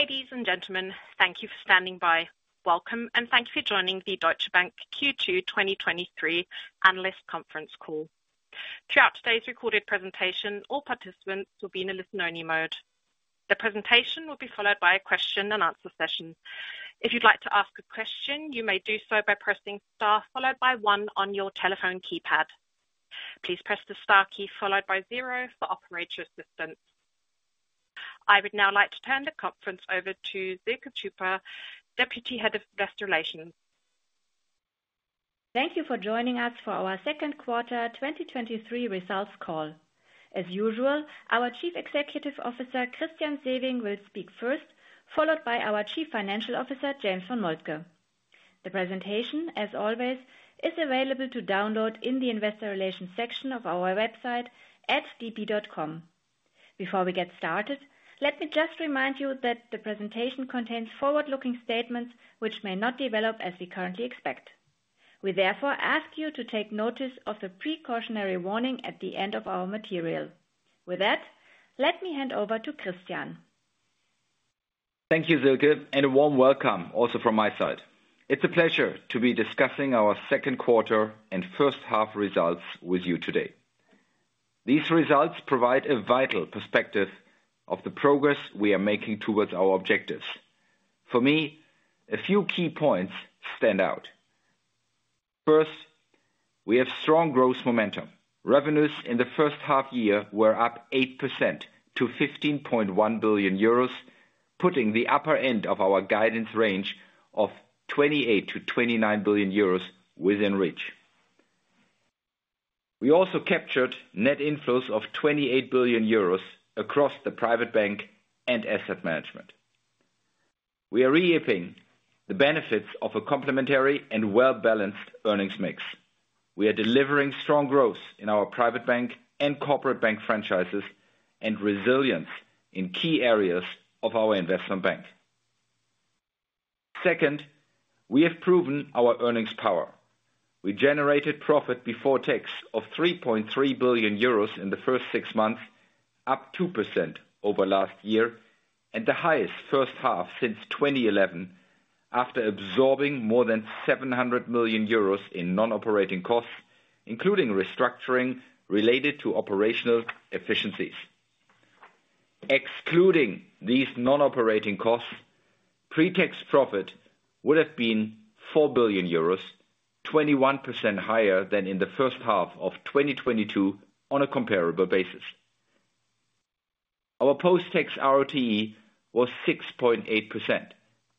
Ladies and gentlemen, thank you for standing by. Welcome. Thank you for joining the Deutsche Bank Q2 2023 analyst conference call. Throughout today's recorded presentation, all participants will be in a listen-only mode. The presentation will be followed by a question and answer session. If you'd like to ask a question, you may do so by pressing star followed by one on your telephone keypad. Please press the star key followed by zero for operator assistance. I would now like to turn the conference over to Silke Szypa, Deputy Head of Investor Relations. Thank you for joining us for our second quarter 2023 results call. As usual, our Chief Executive Officer, Christian Sewing, will speak first, followed by our Chief Financial Officer, James von Moltke. The presentation, as always, is available to download in the Investor Relations section of our website at db.com. Before we get started, let me just remind you that the presentation contains forward-looking statements which may not develop as we currently expect. We therefore ask you to take notice of the precautionary warning at the end of our material. With that, let me hand over to Christian. Thank you, Silke. A warm welcome also from my side. It's a pleasure to be discussing our second quarter and first half results with you today. These results provide a vital perspective of the progress we are making towards our objectives. For me, a few key points stand out. First, we have strong growth momentum. Revenues in the first half year were up 8% to 15.1 billion euros, putting the upper end of our guidance range of 28 billion-29 billion euros within reach. We also captured net inflows of 28 billion euros across the Private Bank and Asset Management. We are reaping the benefits of a complementary and well-balanced earnings mix. We are delivering strong growth in our Private Bank and Corporate Bank franchises, and resilience in key areas of our Investment Bank. Second, we have proven our earnings power. We generated profit before tax of 3.3 billion euros in the first six months, up 2% over last year, and the highest first half since 2011, after absorbing more than 700 million euros in non-operating costs, including restructuring related to operational efficiencies. Excluding these non-operating costs, pre-tax profit would have been 4 billion euros, 21% higher than in the first half of 2022 on a comparable basis. Our post-tax RoTE was 6.8%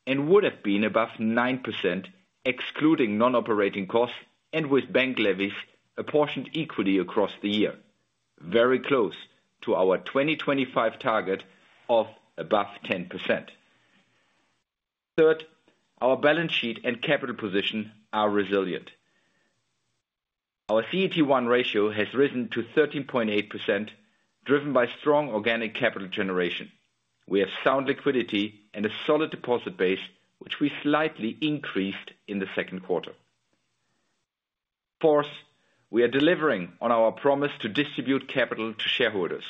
and would have been above 9%, excluding non-operating costs and with bank levies apportioned equally across the year, very close to our 2025 target of above 10%. Third, our balance sheet and capital position are resilient. Our CET1 ratio has risen to 13.8%, driven by strong organic capital generation. We have sound liquidity and a solid deposit base, which we slightly increased in the second quarter. Fourth, we are delivering on our promise to distribute capital to shareholders.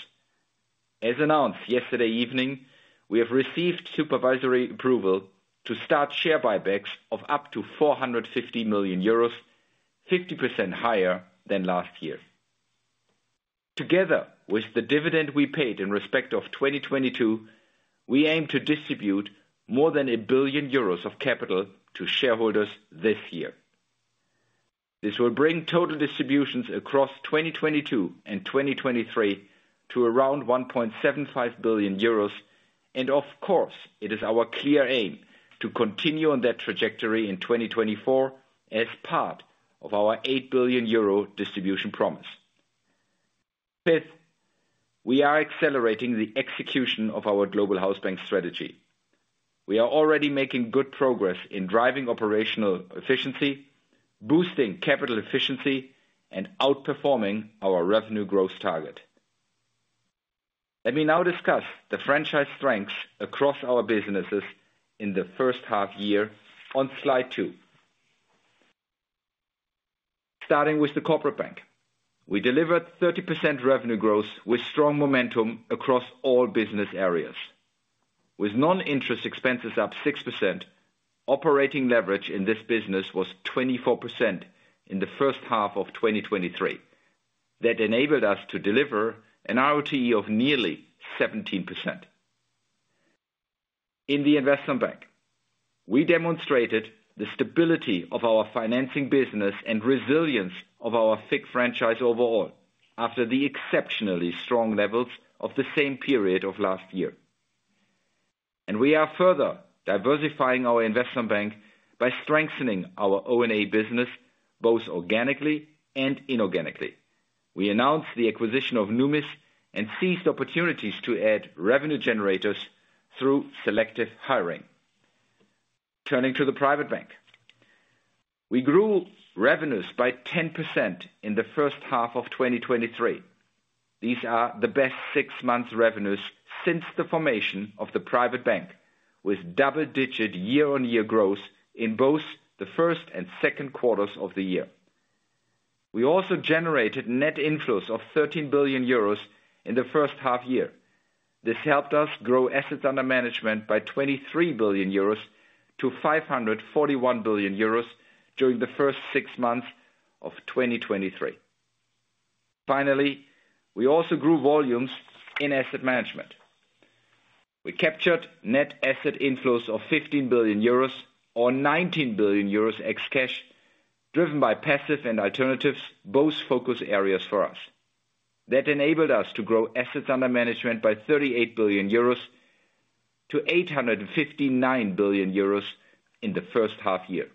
As announced yesterday evening, we have received supervisory approval to start share buybacks of up to 450 million euros, 50% higher than last year. Together with the dividend we paid in respect of 2022, we aim to distribute more than 1 billion euros of capital to shareholders this year. Of course, it is our clear aim to continue on that trajectory in 2024 as part of our 8 billion euro distribution promise. Fifth, we are accelerating the execution of our global house bank strategy. We are already making good progress in driving operational efficiency, boosting capital efficiency, and outperforming our revenue growth target. Let me now discuss the franchise strengths across our businesses in the first half year on slide 2. Starting with the Corporate Bank, we delivered 30% revenue growth with strong momentum across all business areas. With non-interest expenses up 6%, operating leverage in this business was 24% in the first half of 2023. That enabled us to deliver an RoTE of nearly 17%. In the Investment Bank, we demonstrated the stability of our financing business and resilience of our FICC franchise overall after the exceptionally strong levels of the same period of last year. We are further diversifying our Investment Bank by strengthening our O&A business, both organically and inorganically. We announced the acquisition of Numis and seized opportunities to add revenue generators through selective hiring. Turning to the private bank, we grew revenues by 10% in the first half of 2023. These are the best six months revenues since the formation of the private bank, with double-digit year-on-year growth in both the first and second quarters of the year. We also generated net inflows of 13 billion euros in the first half year. This helped us grow assets under management by 23 billion euros to 541 billion euros during the first six months of 2023. Finally, we also grew volumes in asset management. We captured net asset inflows of 15 billion euros, or 19 billion euros ex cash, driven by passive and alternatives, both focus areas for us. That enabled us to grow assets under management by 38 billion euros to 859 billion euros in the first half year.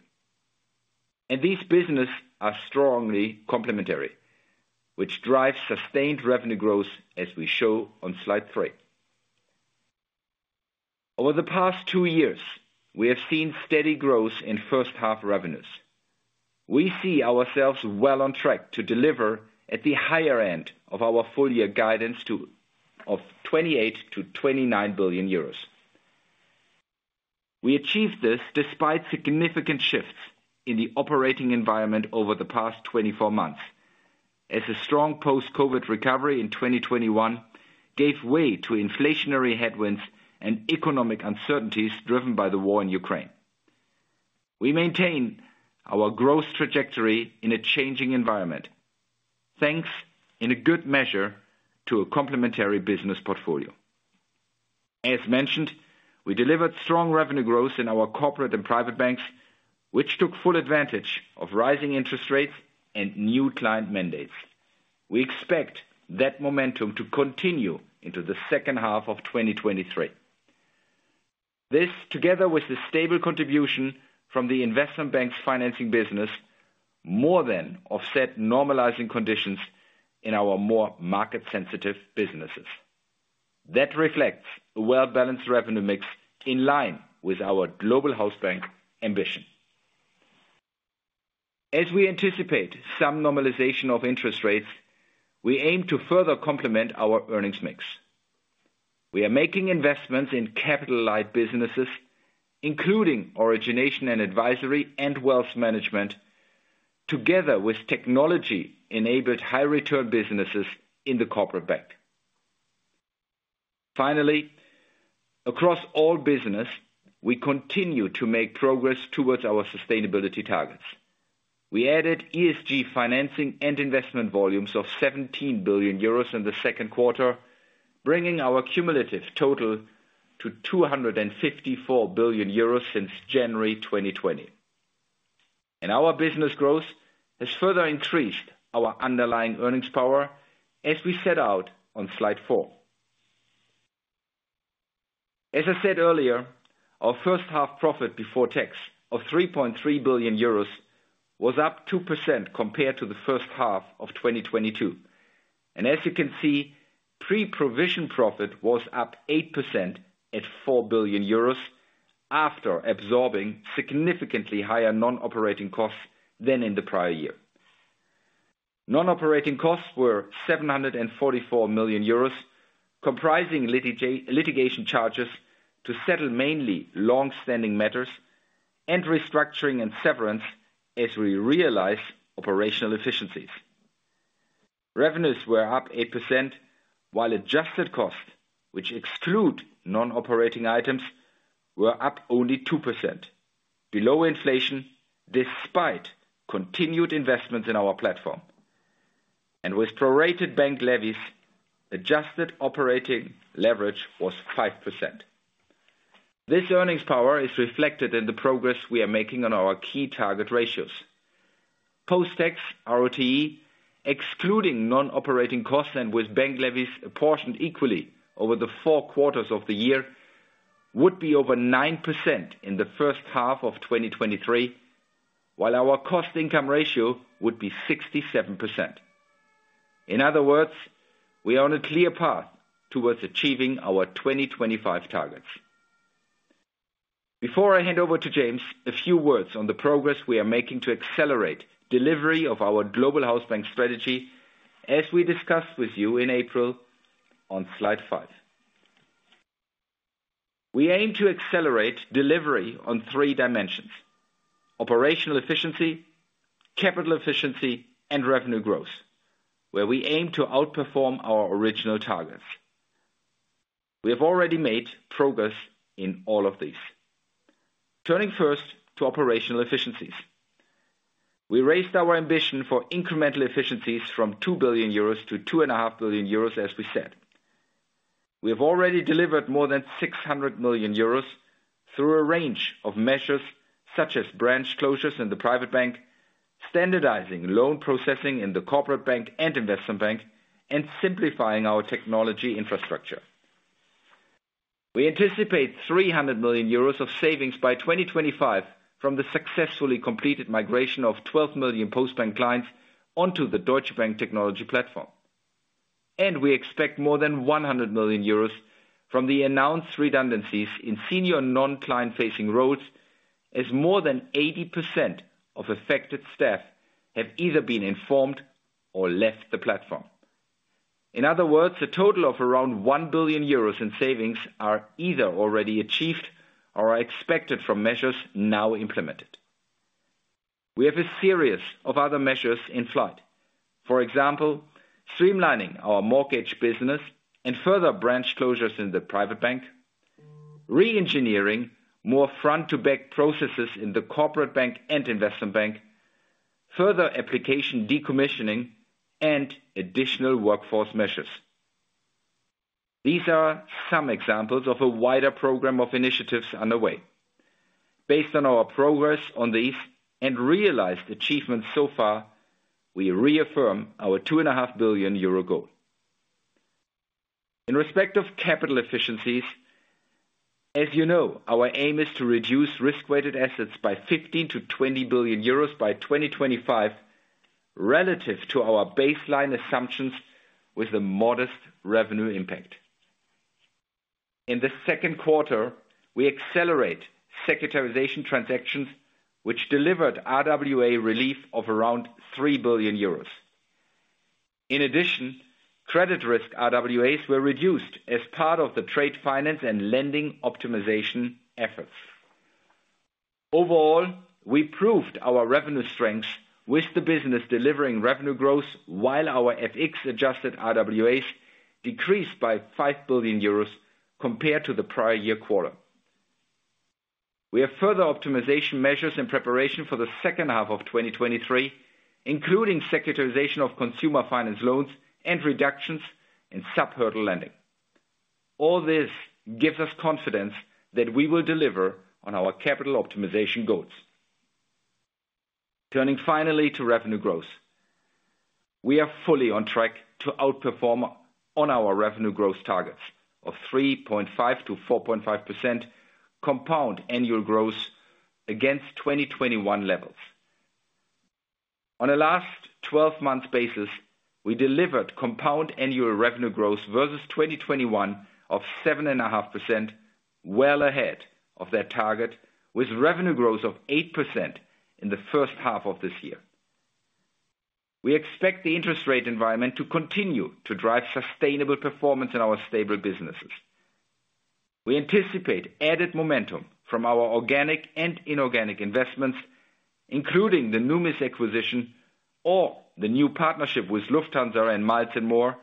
These business are strongly complementary, which drives sustained revenue growth, as we show on slide 3. Over the past two years, we have seen steady growth in first half revenues. We see ourselves well on track to deliver at the higher end of our full year guidance of 28 billion-29 billion euros. We achieved this despite significant shifts in the operating environment over the past 24 months, as a strong post-COVID recovery in 2021 gave way to inflationary headwinds and economic uncertainties driven by the war in Ukraine. We maintain our growth trajectory in a changing environment, thanks in a good measure to a complementary business portfolio. As mentioned, we delivered strong revenue growth in our Corporate and Private Banks, which took full advantage of rising interest rates and new client mandates. We expect that momentum to continue into the second half of 2023. This, together with the stable contribution from the Investment Bank's financing business, more than offset normalizing conditions in our more market-sensitive businesses. That reflects a well-balanced revenue mix in line with our global house bank ambition. As we anticipate some normalization of interest rates, we aim to further complement our earnings mix. We are making investments in capital-light businesses, including Origination & Advisory and Wealth Management, together with technology-enabled high return businesses in the Corporate Bank. Finally, across all business, we continue to make progress towards our sustainability targets. We added ESG financing and investment volumes of 17 billion euros in the second quarter, bringing our cumulative total to 254 billion euros since January 2020. Our business growth has further increased our underlying earnings power as we set out on slide 4. As I said earlier, our first half profit before tax of 3.3 billion euros was up 2% compared to the first half of 2022. As you can see, pre-provision profit was up 8% at 4 billion euros after absorbing significantly higher non-operating costs than in the prior year. Non-operating costs were 744 million euros, comprising litigation charges to settle mainly long-standing matters and restructuring and severance as we realize operational efficiencies. Revenues were up 8%, while adjusted costs, which exclude non-operating items, were up only 2%, below inflation, despite continued investments in our platform. With prorated bank levies, adjusted operating leverage was 5%. This earnings power is reflected in the progress we are making on our key target ratios. Post-tax, RoTE, excluding non-operating costs and with bank levies apportioned equally over the four quarters of the year, would be over 9% in the first half of 2023, while our cost income ratio would be 67%. In other words, we are on a clear path towards achieving our 2025 targets. Before I hand over to James, a few words on the progress we are making to accelerate delivery of our global house bank strategy, as we discussed with you in April on slide 5. We aim to accelerate delivery on three dimensions: operational efficiency, capital efficiency, and revenue growth, where we aim to outperform our original targets. We have already made progress in all of these. Turning first to operational efficiencies. We raised our ambition for incremental efficiencies from 2 billion euros to two and a half billion euros, as we said. We have already delivered more than 600 million euros through a range of measures, such as branch closures in the Private Bank, standardizing loan processing in the Corporate Bank and Investment Bank, and simplifying our technology infrastructure. We anticipate 300 million euros of savings by 2025 from the successfully completed migration of 12 million Postbank clients onto the Deutsche Bank technology platform. We expect more than 100 million euros from the announced redundancies in senior non-client facing roles, as more than 80% of affected staff have either been informed or left the platform. In other words, a total of around 1 billion euros in savings are either already achieved or are expected from measures now implemented. We have a series of other measures in flight. For example, streamlining our mortgage business and further branch closures in the Private Bank, re-engineering more front to back processes in the Corporate Bank and Investment Bank, further application decommissioning, and additional workforce measures. These are some examples of a wider program of initiatives underway. Based on our progress on these and realized achievements so far, we reaffirm our 2.5 billion euro goal. In respect of capital efficiencies, as you know, our aim is to reduce risk-weighted assets by 15 billion-20 billion euros by 2025, relative to our baseline assumptions with a modest revenue impact. In the second quarter, we accelerate securitization transactions, which delivered RWA relief of around 3 billion euros. In addition, credit risk RWAs were reduced as part of the trade finance and lending optimization efforts. Overall, we proved our revenue strengths with the business delivering revenue growth while our FX adjusted RWAs decreased by 5 billion euros compared to the prior year quarter. We have further optimization measures in preparation for the second half of 2023, including securitization of consumer finance loans and reductions in sub-hurdle lending. All this gives us confidence that we will deliver on our capital optimization goals. Turning finally to revenue growth. We are fully on track to outperform on our revenue growth targets of 3.5%-4.5% compound annual growth against 2021 levels. On a last 12-month basis, we delivered compound annual revenue growth versus 2021 of 7.5%, well ahead of that target, with revenue growth of 8% in the first half of this year. We expect the interest rate environment to continue to drive sustainable performance in our stable businesses. We anticipate added momentum from our organic and inorganic investments, including the Numis acquisition or the new partnership with Lufthansa and Miles & More,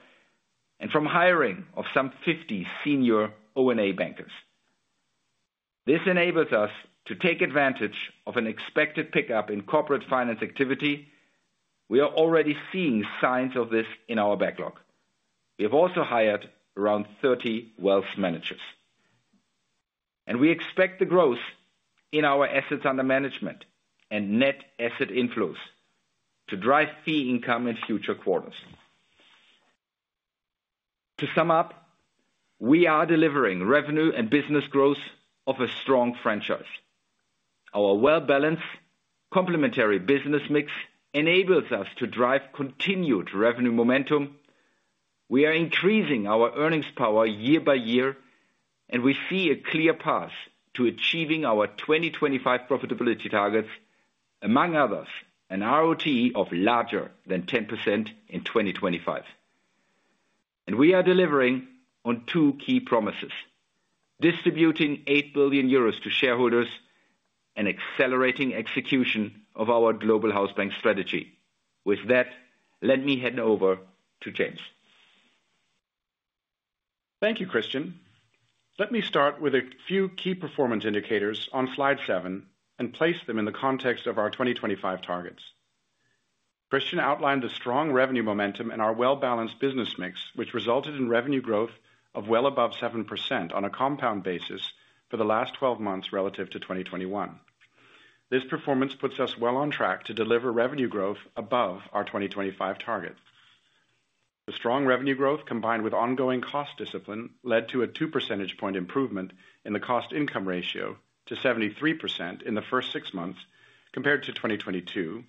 and from hiring of some 50 senior O&A bankers. This enables us to take advantage of an expected pickup in corporate finance activity. We are already seeing signs of this in our backlog. We have also hired around 30 wealth managers. We expect the growth in our assets under management and net asset inflows to drive fee income in future quarters. To sum up, we are delivering revenue and business growth of a strong franchise. Our well-balanced complementary business mix enables us to drive continued revenue momentum. We are increasing our earnings power year by year, and we see a clear path to achieving our 2025 profitability targets, among others, an RoTE of larger than 10% in 2025. We are delivering on two key promises: distributing 8 billion euros to shareholders and accelerating execution of our global house bank strategy. With that, let me hand over to James. Thank you, Christian. Let me start with a few key performance indicators on slide 7 and place them in the context of our 2025 targets. Christian outlined a strong revenue momentum and our well-balanced business mix, which resulted in revenue growth of well above 7% on a compound basis for the last 12 months relative to 2021. This performance puts us well on track to deliver revenue growth above our 2025 target. The strong revenue growth, combined with ongoing cost discipline, led to a 2 percentage point improvement in the cost income ratio to 73% in the first six months compared to 2022,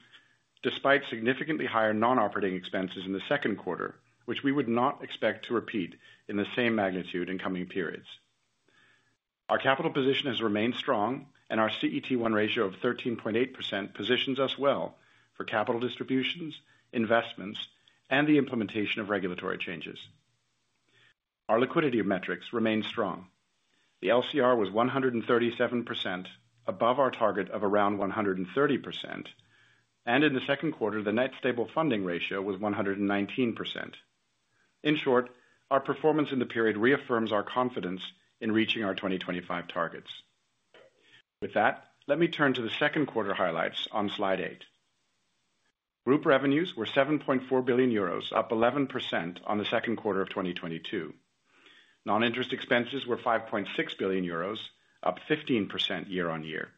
despite significantly higher non-operating expenses in the second quarter, which we would not expect to repeat in the same magnitude in coming periods. Our capital position has remained strong. Our CET1 ratio of 13.8% positions us well for capital distributions, investments, and the implementation of regulatory changes. Our liquidity metrics remain strong. The LCR was 137%, above our target of around 130%. In the second quarter, the Net Stable Funding Ratio was 119%. In short, our performance in the period reaffirms our confidence in reaching our 2025 targets. With that, let me turn to the second quarter highlights on slide 8. Group revenues were 7.4 billion euros, up 11% on the second quarter of 2022. Non-interest expenses were 5.6 billion euros, up 15% year-on-year.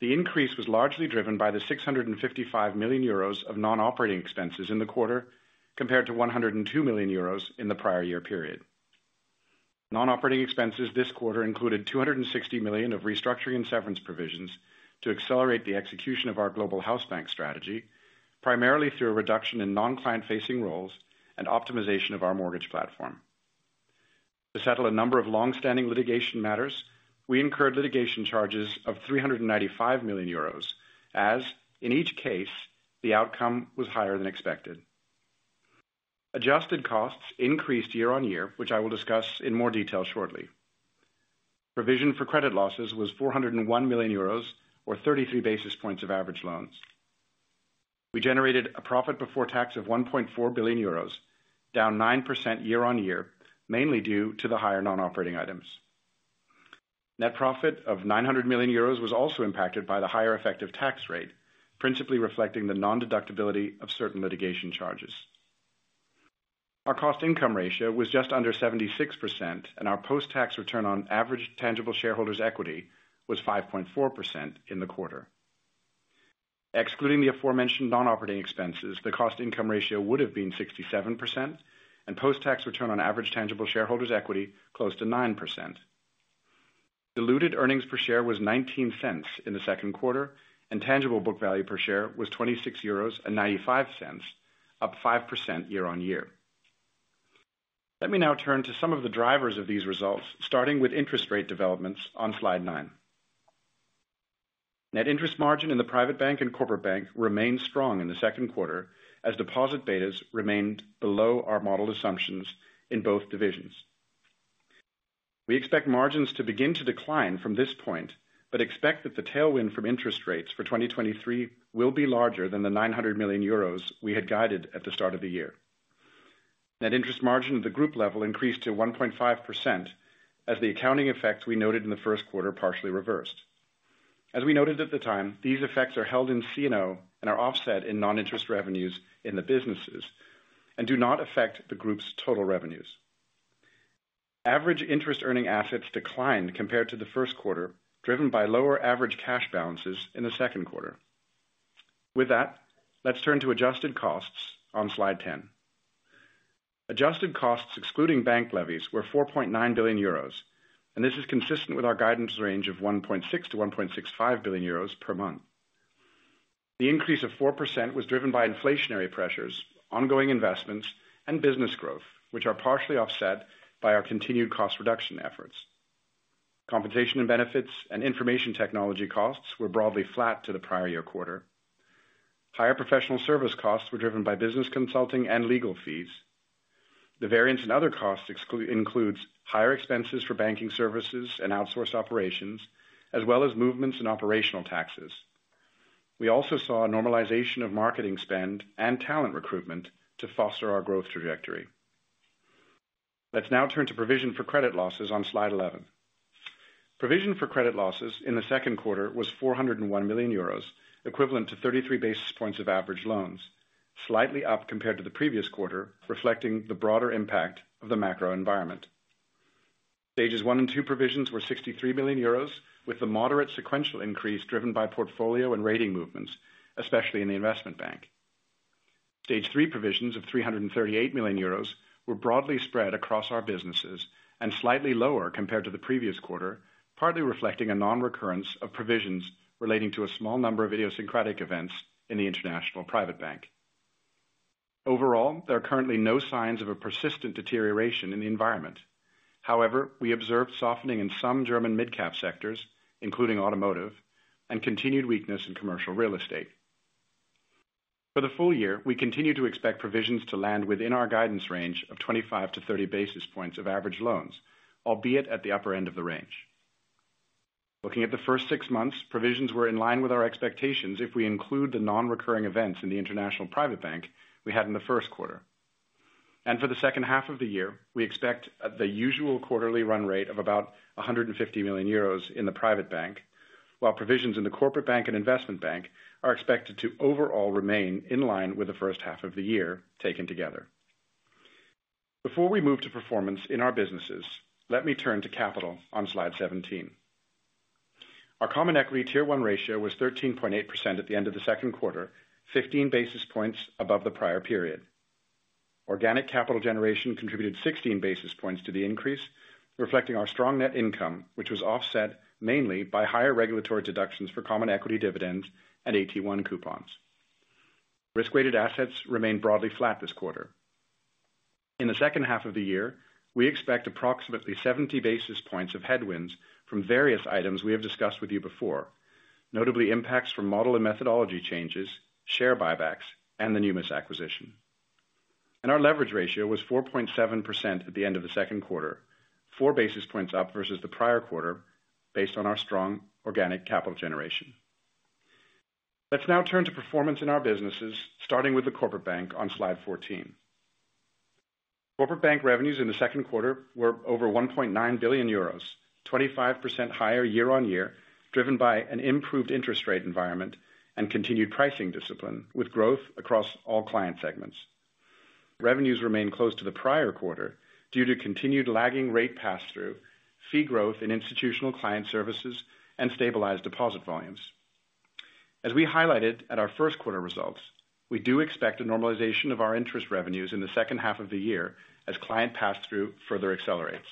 The increase was largely driven by 655 million euros of non-operating expenses in the quarter, compared to 102 million euros in the prior year period. Non-operating expenses this quarter included 260 million of restructuring and severance provisions to accelerate the execution of our global house bank strategy, primarily through a reduction in non-client facing roles and optimization of our mortgage platform. To settle a number of long-standing litigation matters, we incurred litigation charges of 395 million euros, as in each case, the outcome was higher than expected. Adjusted costs increased year-on-year, which I will discuss in more detail shortly. Provision for credit losses was 401 million euros, or 33 basis points of average loans. We generated a profit before tax of 1.4 billion euros, down 9% year-over-year, mainly due to the higher non-operating items. Net profit of 900 million euros was also impacted by the higher effective tax rate, principally reflecting the non-deductibility of certain litigation charges. Our cost income ratio was just under 76%, and our post-tax return on average tangible shareholders' equity was 5.4% in the quarter. Excluding the aforementioned non-operating expenses, the cost income ratio would have been 67%, and post-tax return on average tangible shareholders' equity, close to 9%. Diluted earnings per share was 0.19 in the second quarter, and tangible book value per share was 26.95 euros, up 5% year-over-year. Let me now turn to some of the drivers of these results, starting with interest rate developments on slide 9. Net interest margin in the Private Bank and Corporate Bank remained strong in the second quarter as deposit betas remained below our modeled assumptions in both divisions. We expect margins to begin to decline from this point, but expect that the tailwind from interest rates for 2023 will be larger than the 900 million euros we had guided at the start of the year. Net interest margin at the group level increased to 1.5%, as the accounting effect we noted in the first quarter partially reversed. As we noted at the time, these effects are held in C&O and are offset in non-interest revenues in the businesses, and do not affect the group's total revenues. Average interest earning assets declined compared to the first quarter, driven by lower average cash balances in the second quarter. With that, let's turn to adjusted costs on slide 10. Adjusted costs, excluding bank levies, were 4.9 billion euros. This is consistent with our guidance range of 1.6 billion-1.65 billion euros per month. The increase of 4% was driven by inflationary pressures, ongoing investments, and business growth, which are partially offset by our continued cost reduction efforts. Compensation and benefits and information technology costs were broadly flat to the prior year quarter. Higher professional service costs were driven by business consulting and legal fees. The variance in other costs includes higher expenses for banking services and outsourced operations, as well as movements in operational taxes. We also saw a normalization of marketing spend and talent recruitment to foster our growth trajectory. Let's now turn to provision for credit losses on slide 11. Provision for credit losses in the second quarter was 401 million euros, equivalent to 33 basis points of average loans, slightly up compared to the previous quarter, reflecting the broader impact of the macro environment. Stages one and two provisions were 63 million euros, with the moderate sequential increase driven by portfolio and rating movements, especially in the Investment Bank. Stage three provisions of 338 million euros were broadly spread across our businesses and slightly lower compared to the previous quarter, partly reflecting a non-recurrence of provisions relating to a small number of idiosyncratic events in the International Private Bank. Overall, there are currently no signs of a persistent deterioration in the environment. However, we observed softening in some German midcap sectors, including automotive and continued weakness in commercial real estate. For the full year, we continue to expect provisions to land within our guidance range of 25 to 30 basis points of average loans, albeit at the upper end of the range. Looking at the first six months, provisions were in line with our expectations if we include the non-recurring events in the international private bank we had in the first quarter. For the second half of the year, we expect the usual quarterly run rate of about 150 million euros in the private bank, while provisions in the corporate bank and investment bank are expected to overall remain in line with the first half of the year taken together. Before we move to performance in our businesses, let me turn to capital on slide 17. Our common equity Tier 1 ratio was 13.8% at the end of the second quarter, 15 basis points above the prior period. Organic capital generation contributed 16 basis points to the increase, reflecting our strong net income, which was offset mainly by higher regulatory deductions for common equity dividends and AT1 coupons. Risk-weighted assets remained broadly flat this quarter. In the second half of the year, we expect approximately 70 basis points of headwinds from various items we have discussed with you before, notably impacts from model and methodology changes, share buybacks, and the Numis acquisition. Our leverage ratio was 4.7% at the end of the second quarter, 4 basis points up versus the prior quarter, based on our strong organic capital generation. Let's now turn to performance in our businesses, starting with the Corporate Bank on slide 14. Corporate Bank revenues in the second quarter were over 1.9 billion euros, 25% higher year-on-year, driven by an improved interest rate environment and continued pricing discipline with growth across all client segments. Revenues remain close to the prior quarter due to continued lagging rate pass-through, fee growth in institutional client services, and stabilized deposit volumes. As we highlighted at our first quarter results, we do expect a normalization of our interest revenues in the second half of the year as client pass-through further accelerates.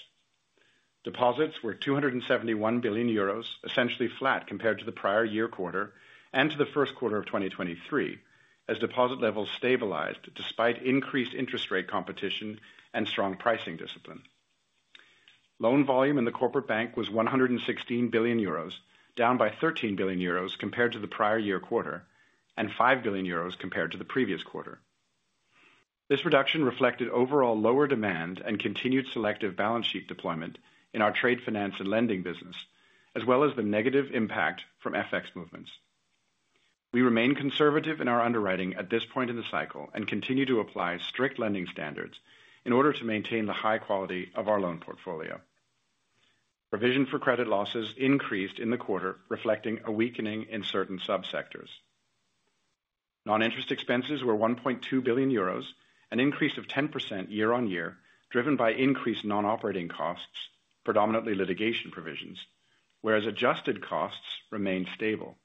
Deposits were 271 billion euros, essentially flat compared to the prior-year quarter and to the first quarter of 2023, as deposit levels stabilized despite increased interest rate competition and strong pricing discipline. Loan volume in the corporate bank was 116 billion euros, down by 13 billion euros compared to the prior year quarter, and 5 billion euros compared to the previous quarter. This reduction reflected overall lower demand and continued selective balance sheet deployment in our trade finance and lending business, as well as the negative impact from FX movements. We remain conservative in our underwriting at this point in the cycle and continue to apply strict lending standards in order to maintain the high quality of our loan portfolio. Provision for credit losses increased in the quarter, reflecting a weakening in certain sub-sectors. Non-interest expenses were 1.2 billion euros, an increase of 10% year-on-year, driven by increased non-operating costs, predominantly litigation provisions, whereas adjusted costs remained stable.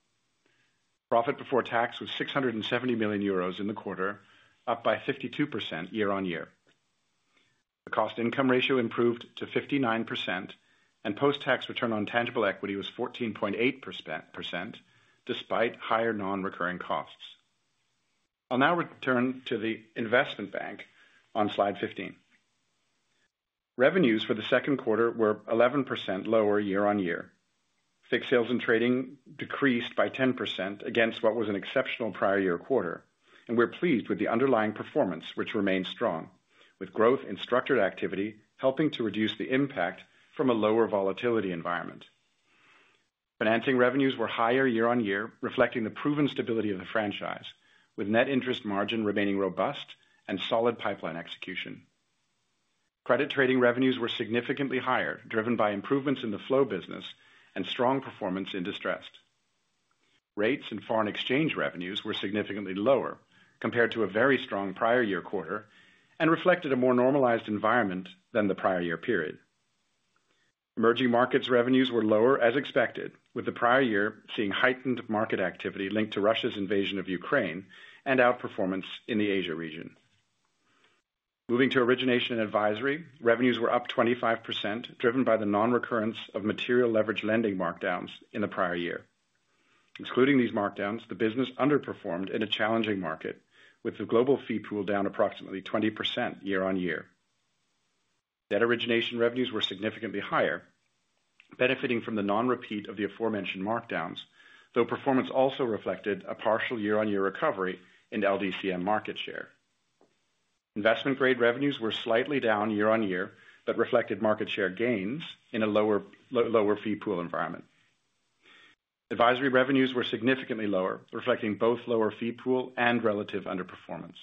Profit before tax was 670 million euros in the quarter, up by 52% year-on-year. The cost income ratio improved to 59%. Post-tax return on tangible equity was 14.8%, despite higher non-recurring costs. I'll now return to the Investment Bank on Slide 15. Revenues for the second quarter were 11% lower year-on-year. FICC sales and trading decreased by 10% against what was an exceptional prior year quarter. We're pleased with the underlying performance, which remains strong, with growth in structured activity helping to reduce the impact from a lower volatility environment. Financing revenues were higher year-on-year, reflecting the proven stability of the franchise, with net interest margin remaining robust and solid pipeline execution. Credit trading revenues were significantly higher, driven by improvements in the flow business and strong performance in distressed. Rates and foreign exchange revenues were significantly lower compared to a very strong prior year quarter, and reflected a more normalized environment than the prior year period. Emerging markets revenues were lower, as expected, with the prior year seeing heightened market activity linked to Russia's invasion of Ukraine and outperformance in the Asia region. Moving to Origination and Advisory, revenues were up 25%, driven by the non-recurrence of material leverage lending markdowns in the prior year. Excluding these markdowns, the business underperformed in a challenging market, with the global fee pool down approximately 20% year-on-year. Debt origination revenues were significantly higher, benefiting from the non-repeat of the aforementioned markdowns, though performance also reflected a partial year-on-year recovery in LDCM market share. Investment grade revenues were slightly down year-on-year, but reflected market share gains in a lower fee pool environment. Advisory revenues were significantly lower, reflecting both lower fee pool and relative underperformance.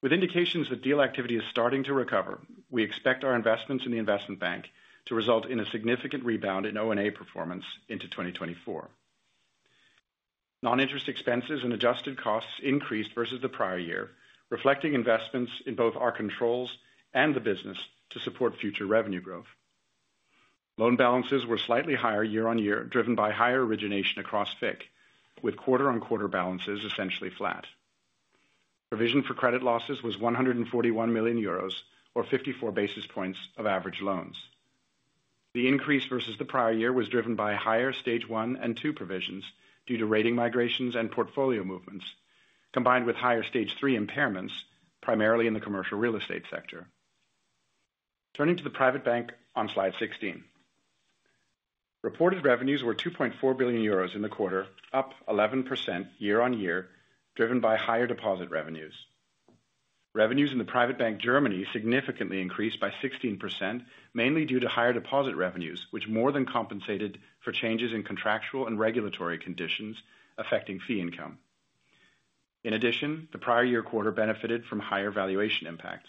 With indications that deal activity is starting to recover, we expect our investments in the Investment Bank to result in a significant rebound in O&A performance into 2024. Non-interest expenses and adjusted costs increased versus the prior year, reflecting investments in both our controls and the business to support future revenue growth. Loan balances were slightly higher year-over-year, driven by higher origination across FICC, with quarter-over-quarter balances essentially flat. Provision for credit losses was 141 million euros, or 54 basis points of average loans. The increase versus the prior year was driven by higher Stage I and II provisions due to rating migrations and portfolio movements, combined with higher Stage III impairments, primarily in the commercial real estate sector. Turning to the Private Bank on Slide 16. Reported revenues were 2.4 billion euros in the quarter, up 11% year-on-year, driven by higher deposit revenues. Revenues in the Private Bank Germany significantly increased by 16%, mainly due to higher deposit revenues, which more than compensated for changes in contractual and regulatory conditions affecting fee income. In addition, the prior year quarter benefited from higher valuation impacts.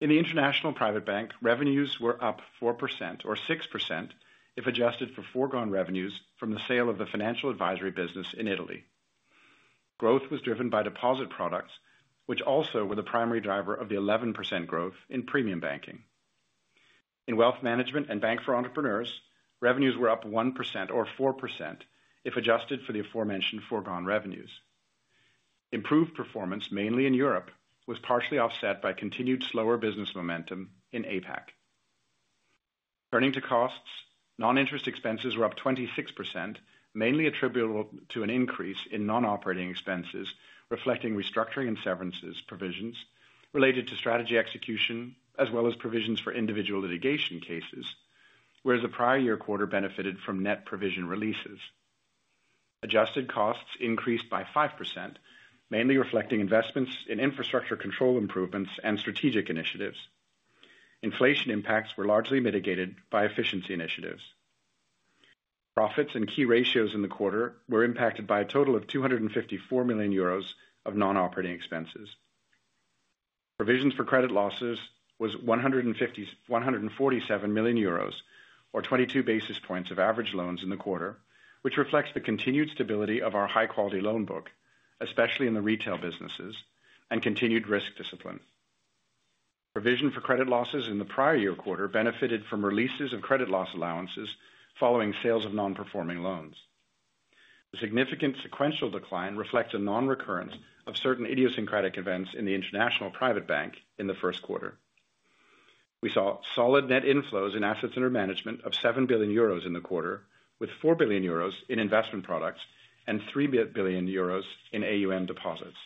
In the International Private Bank, revenues were up 4%, or 6%, if adjusted for foregone revenues from the sale of the financial advisory business in Italy. Growth was driven by deposit products, which also were the primary driver of the 11% growth in premium banking. In Wealth Management and Bank for Entrepreneurs, revenues were up 1%, or 4%, if adjusted for the aforementioned foregone revenues. Improved performance, mainly in Europe, was partially offset by continued slower business momentum in APAC. Turning to costs, non-interest expenses were up 26%, mainly attributable to an increase in non-operating expenses, reflecting restructuring and severances provisions related to strategy execution, as well as provisions for individual litigation cases, whereas the prior year quarter benefited from net provision releases. Adjusted costs increased by 5%, mainly reflecting investments in infrastructure control improvements and strategic initiatives. Inflation impacts were largely mitigated by efficiency initiatives. Profits and key ratios in the quarter were impacted by a total of 254 million euros of non-operating expenses. Provisions for credit losses was 147 million euros, or 22 basis points of average loans in the quarter, which reflects the continued stability of our high-quality loan book, especially in the retail businesses, and continued risk discipline. Provision for credit losses in the prior year quarter benefited from releases of credit loss allowances following sales of non-performing loans. Significant sequential decline reflects a non-recurrence of certain idiosyncratic events in the international private bank in the first quarter. We saw solid net inflows in assets under management of 7 billion euros in the quarter, with 4 billion euros in investment products and 3 billion euros in AUM deposits.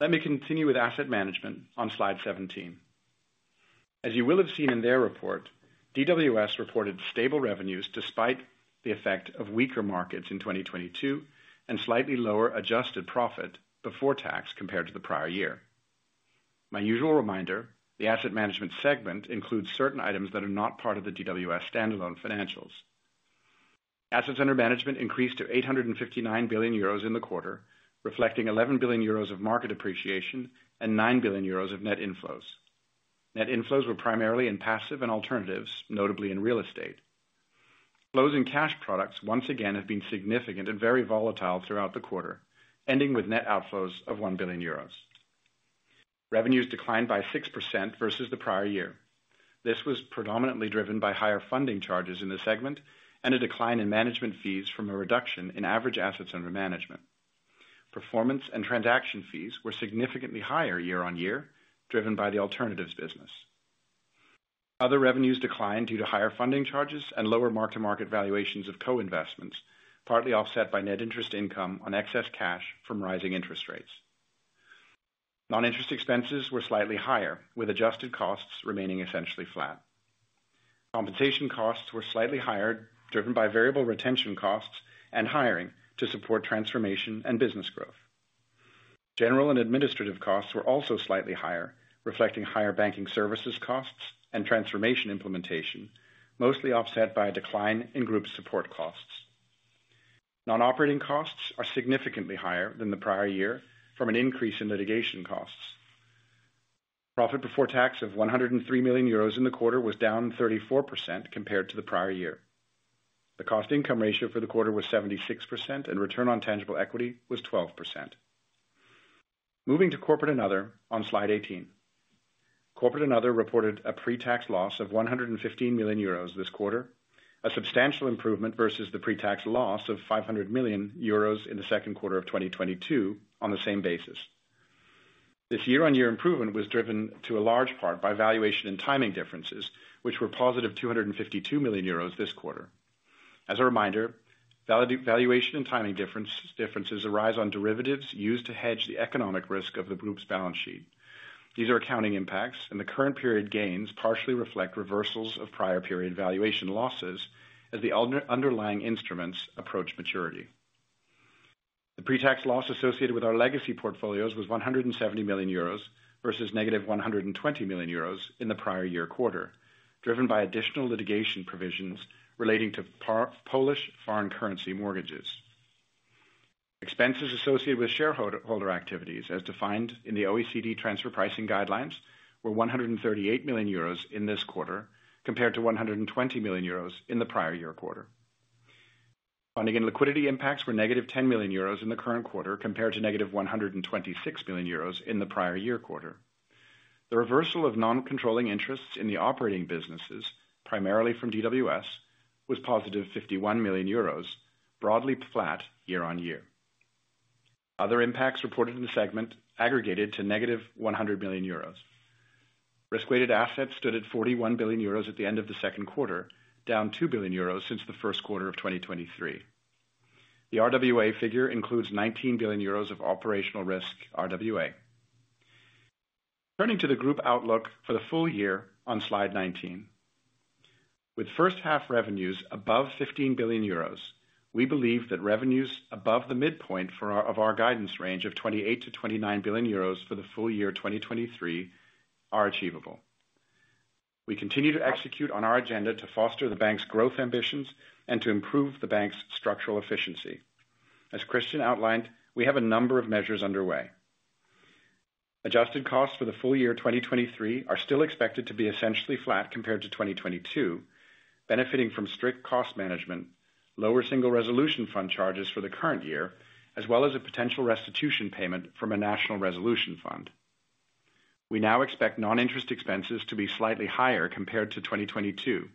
Let me continue with asset management on slide 17. As you will have seen in their report, DWS reported stable revenues despite the effect of weaker markets in 2022, slightly lower adjusted profit before tax compared to the prior year. My usual reminder, the asset management segment includes certain items that are not part of the DWS standalone financials. Assets under management increased to 859 billion euros in the quarter, reflecting 11 billion euros of market appreciation and 9 billion euros of net inflows. Net inflows were primarily in passive and alternatives, notably in real estate. Flows in cash products, once again, have been significant and very volatile throughout the quarter, ending with net outflows of 1 billion euros. Revenues declined by 6% versus the prior year. This was predominantly driven by higher funding charges in the segment and a decline in management fees from a reduction in average assets under management. Performance and transaction fees were significantly higher year-on-year, driven by the alternatives business. Other revenues declined due to higher funding charges and lower mark-to-market valuations of co-investments, partly offset by net interest income on excess cash from rising interest rates. Non-interest expenses were slightly higher, with adjusted costs remaining essentially flat. Compensation costs were slightly higher, driven by variable retention costs and hiring to support transformation and business growth. General and administrative costs were also slightly higher, reflecting higher banking services costs and transformation implementation, mostly offset by a decline in group support costs. Non-operating costs are significantly higher than the prior year from an increase in litigation costs. Profit before tax of 103 million euros in the quarter was down 34% compared to the prior year. The cost income ratio for the quarter was 76%, and return on tangible equity was 12%. Moving to Corporate & Other on Slide 18. Corporate & Other reported a pre-tax loss of 115 million euros this quarter, a substantial improvement versus the pre-tax loss of 500 million euros in the second quarter of 2022 on the same basis. This year-on-year improvement was driven to a large part by valuation and timing differences, which were positive 252 million euros this quarter. As a reminder, valuation and timing differences arise on derivatives used to hedge the economic risk of the group's balance sheet. These are accounting impacts, the current period gains partially reflect reversals of prior period valuation losses as the underlying instruments approach maturity. The pre-tax loss associated with our legacy portfolios was 170 million euros versus negative 120 million euros in the prior year quarter, driven by additional litigation provisions relating to Polish foreign currency mortgages. Expenses associated with shareholder activities, as defined in the OECD transfer pricing guidelines, were 138 million euros in this quarter, compared to 120 million euros in the prior year quarter. Funding and liquidity impacts were negative 10 million euros in the current quarter, compared to negative 126 million euros in the prior year quarter. The reversal of non-controlling interests in the operating businesses, primarily from DWS, was positive 51 million euros, broadly flat year-on-year. Other impacts reported in the segment aggregated to negative 100 million euros. Risk-weighted assets stood at 41 billion euros at the end of the second quarter, down 2 billion euros since the first quarter of 2023. The RWA figure includes 19 billion euros of operational risk RWA. Turning to the group outlook for the full year on Slide 19. With first half revenues above 15 billion euros, we believe that revenues above the midpoint for our, of our guidance range of 28 billion-29 billion euros for the full year 2023 are achievable. We continue to execute on our agenda to foster the bank's growth ambitions and to improve the bank's structural efficiency. As Christian outlined, we have a number of measures underway. Adjusted costs for the full year 2023 are still expected to be essentially flat compared to 2022, benefiting from strict cost management, lower Single Resolution Fund charges for the current year, as well as a potential restitution payment from a national resolution fund. We now expect non-interest expenses to be slightly higher compared to 2022.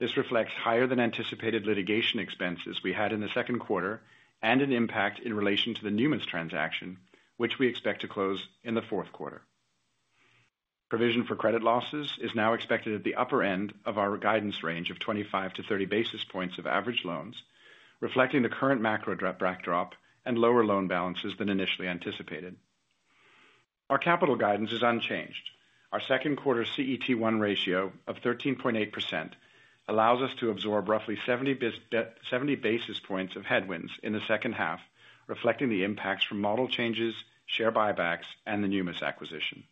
This reflects higher than anticipated litigation expenses we had in the second quarter, and an impact in relation to the Numis transaction, which we expect to close in the fourth quarter. Provision for credit losses is now expected at the upper end of our guidance range of 25-30 basis points of average loans, reflecting the current macro backdrop and lower loan balances than initially anticipated. Our capital guidance is unchanged. Our second quarter CET1 ratio of 13.8% allows us to absorb roughly 70 basis points of headwinds in the second half, reflecting the impacts from model changes, share buybacks, and the Numis acquisition.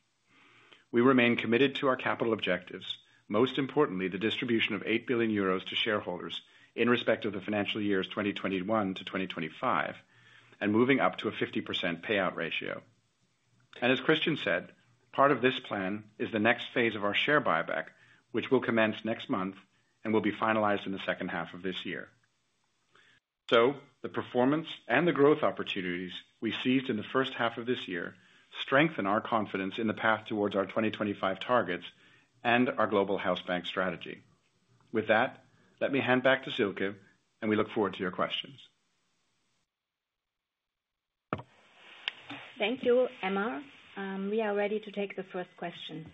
We remain committed to our capital objectives, most importantly, the distribution of 8 billion euros to shareholders in respect of the financial years 2021-2025, and moving up to a 50% payout ratio. As Christian said, part of this plan is the next phase of our share buyback, which will commence next month and will be finalized in the second half of this year. The performance and the growth opportunities we seized in the first half of this year strengthen our confidence in the path towards our 2025 targets and our global house bank strategy. With that, let me hand back to Silke, and we look forward to your questions. Thank you. Emma, we are ready to take the first question.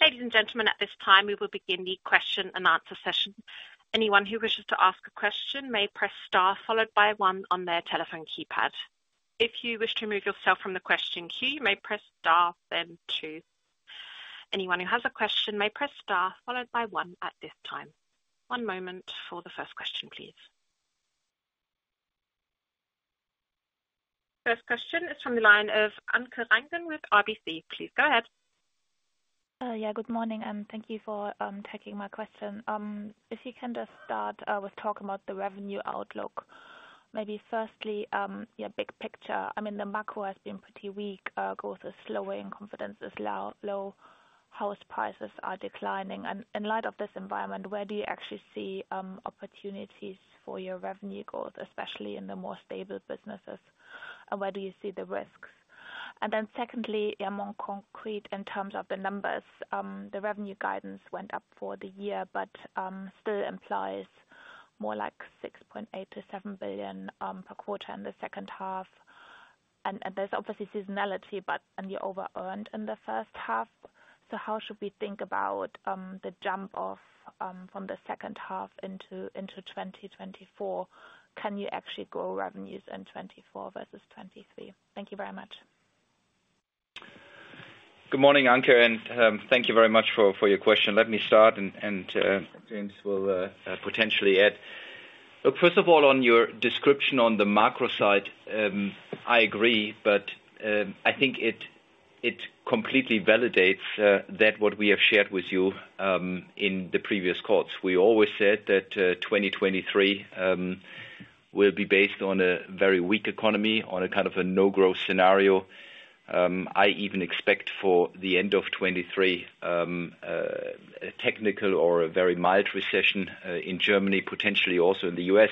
Ladies and gentlemen, at this time we will begin the question and answer session. Anyone who wishes to ask a question may press star followed by one on their telephone keypad. If you wish to remove yourself from the question queue, you may press star then two. Anyone who has a question may press star followed by one at this time. One moment for the first question, please. First question is from the line of Anke Reingen with RBC. Please go ahead. Yeah, good morning, and thank you for taking my question. If you can just start with talking about the revenue outlook. Maybe firstly, yeah, big picture, I mean, the macro has been pretty weak. Growth is slowing, confidence is low, house prices are declining. In light of this environment, where do you actually see opportunities for your revenue growth, especially in the more stable businesses, and where do you see the risks? Then secondly, yeah, more concrete in terms of the numbers. The revenue guidance went up for the year, but still implies more like 6.8 billion-7 billion per quarter in the second half. There's obviously seasonality, but, and you over earned in the first half. How should we think about the jump off from the second half into 2024? Can you actually grow revenues in 2024 versus 2023? Thank you very much. Good morning, Anke, and thank you very much for your question. Let me start, and James will potentially add. First of all, on your description on the macro side, I agree, but I think it completely validates that what we have shared with you in the previous calls. We always said that 2023 will be based on a very weak economy, on a kind of a no-growth scenario. I even expect for the end of 2023, a technical or a very mild recession in Germany, potentially also in the U.S.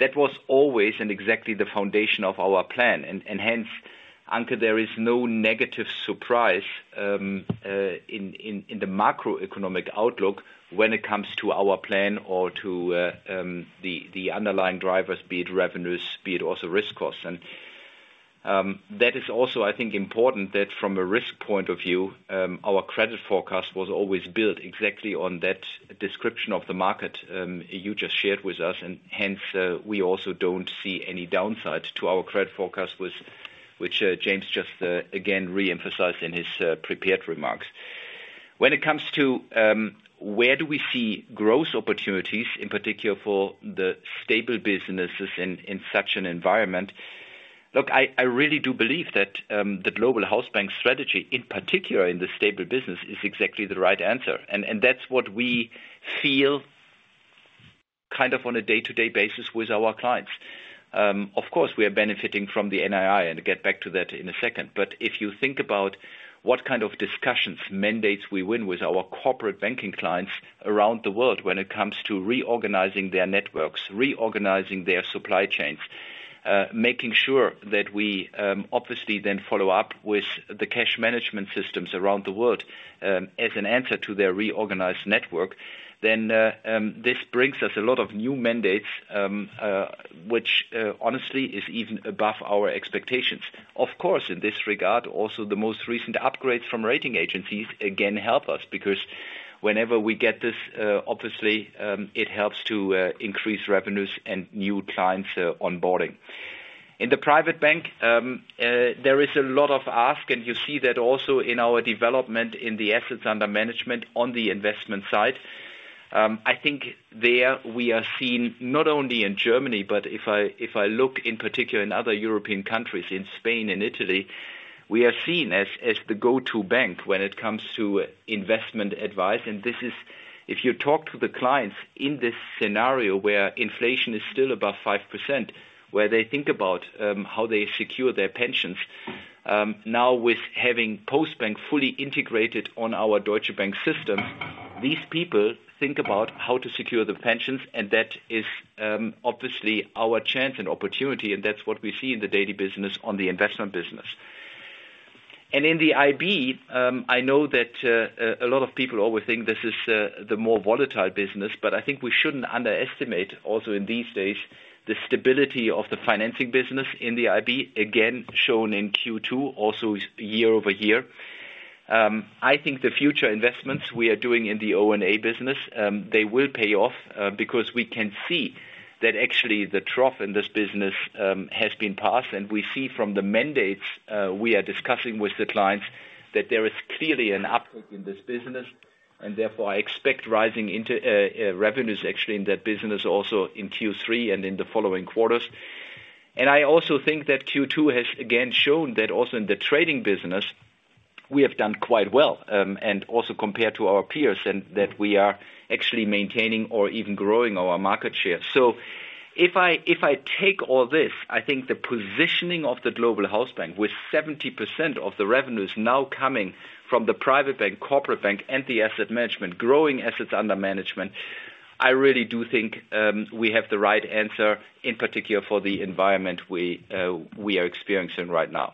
That was always and exactly the foundation of our plan. Hence, Anke, there is no negative surprise in the macroeconomic outlook when it comes to our plan or to the underlying drivers, be it revenues, be it also risk costs. That is also, I think, important that from a risk point of view, our credit forecast was always built exactly on that description of the market you just shared with us, and hence, we also don't see any downside to our credit forecast, which James just again, re-emphasized in his prepared remarks. When it comes to where do we see growth opportunities, in particular for the stable businesses in such an environment? Look, I really do believe that the global house bank strategy, in particular in the stable business, is exactly the right answer. That's what we feel kind of on a day-to-day basis with our clients. Of course, we are benefiting from the NII, and get back to that in a second. If you think about what kind of discussions, mandates we win with our corporate banking clients around the world when it comes to reorganizing their networks, reorganizing their supply chains, making sure that we obviously then follow up with the cash management systems around the world, as an answer to their reorganized network, this brings us a lot of new mandates, which honestly, is even above our expectations. Of course, in this regard, also, the most recent upgrades from rating agencies, again, help us, because whenever we get this, obviously, it helps to increase revenues and new clients onboarding. In the Private Bank, there is a lot of ask, and you see that also in our development in the assets under management on the investment side. I think there we are seen, not only in Germany, but if I look in particular in other European countries, in Spain and Italy, we are seen as the go-to bank when it comes to investment advice. This is if you talk to the clients in this scenario where inflation is still above 5%, where they think about how they secure their pensions. Now with having Postbank fully integrated on our Deutsche Bank system, these people think about how to secure the pensions. That is obviously our chance and opportunity. That's what we see in the daily business, on the investment business. In the IB, I know that a lot of people always think this is the more volatile business, but I think we shouldn't underestimate also in these days, the stability of the financing business in the IB, again, shown in Q2, also year-over-year. I think the future investments we are doing in the O&A business, they will pay off because we can see that actually the trough in this business has been passed, and we see from the mandates we are discussing with the clients that there is clearly an uptick in this business, and therefore I expect rising into revenues actually in that business, also in Q3 and in the following quarters. I also think that Q2 has again shown that also in the trading business, we have done quite well, and also compared to our peers, and that we are actually maintaining or even growing our market share. If I take all this, I think the positioning of the global house bank with 70% of the revenues now coming from the private bank, corporate bank, and the asset management, growing assets under management, I really do think, we have the right answer, in particular for the environment we are experiencing right now.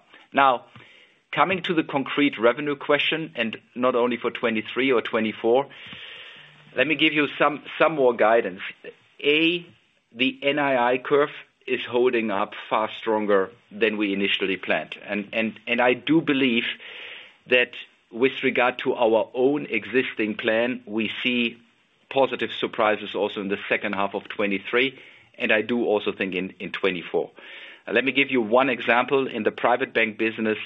Coming to the concrete revenue question, and not only for 2023 or 2024, let me give you some more guidance. The NII curve is holding up far stronger than we initially planned. I do believe that with regard to our own existing plan, we see positive surprises also in the second half of 2023, and I do also think in 2024. Let me give you one example. In the Private Bank business,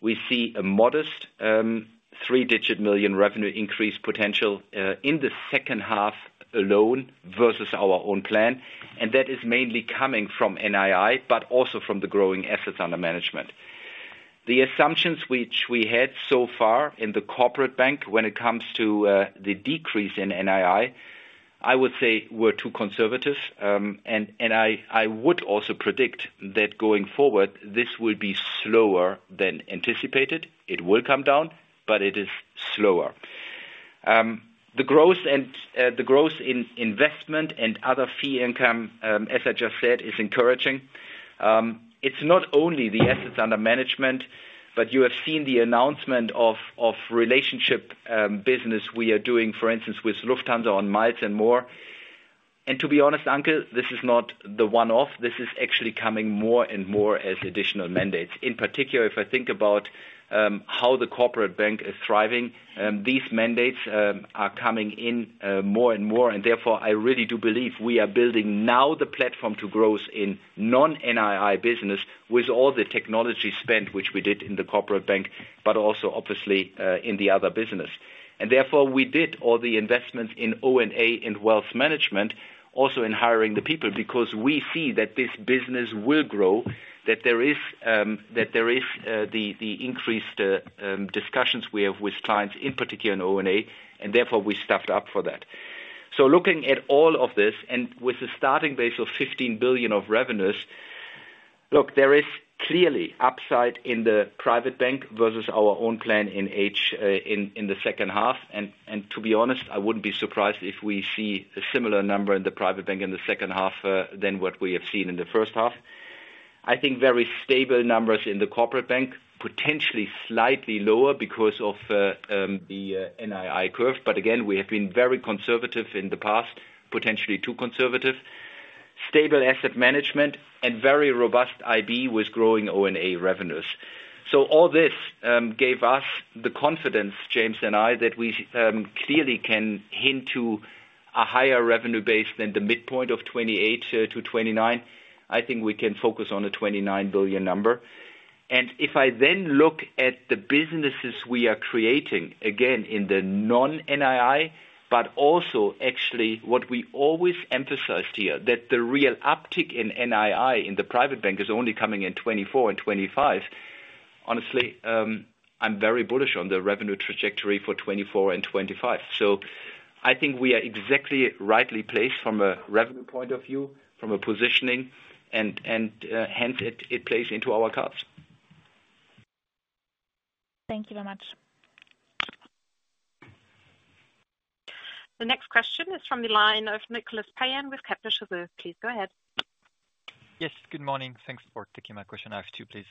we see a modest EUR 3-digit million revenue increase potential in the second half alone versus our own plan. That is mainly coming from NII, but also from the growing assets under management. The assumptions which we had so far in the Corporate Bank when it comes to the decrease in NII, I would say were too conservative. I would also predict that going forward, this will be slower than anticipated. It will come down, but it is slower. The growth and the growth in investment and other fee income, as I just said, is encouraging. It's not only the assets under management, but you have seen the announcement of relationship business we are doing, for instance, with Lufthansa on Miles & More. To be honest, Anke, this is not the one-off, this is actually coming more and more as additional mandates. In particular, if I think about how the corporate bank is thriving, these mandates are coming in more and more, therefore, I really do believe we are building now the platform to growth in non-NII business with all the technology spent, which we did in the corporate bank, but also obviously in the other business. Therefore, we did all the investments in O&A and wealth management, also in hiring the people, because we see that this business will grow, that there is the increased discussions we have with clients, in particular in O&A, and therefore we staffed up for that. Looking at all of this, and with a starting base of 15 billion of revenues, look, there is clearly upside in the private bank versus our own plan in the second half. To be honest, I wouldn't be surprised if we see a similar number in the private bank in the second half than what we have seen in the first half. I think very stable numbers in the corporate bank, potentially slightly lower because of the NII curve, but again, we have been very conservative in the past, potentially too conservative. Stable asset management and very robust IB with growing O&A revenues. All this gave us the confidence, James and I, that we clearly can hint to a higher revenue base than the midpoint of 28 billion-29 billion. I think we can focus on the 29 billion number. If I then look at the businesses we are creating, again, in the non-NII, but also actually what we always emphasized here, that the real uptick in NII in the private bank is only coming in 2024 and 2025. Honestly, I'm very bullish on the revenue trajectory for 2024 and 2025. I think we are exactly rightly placed from a revenue point of view, from a positioning, and hence it plays into our cards. Thank you very much. The next question is from the line of Nicolas Payen with Kepler Cheuvreux. Please go ahead. Yes, good morning. Thanks for taking my question. I have two, please.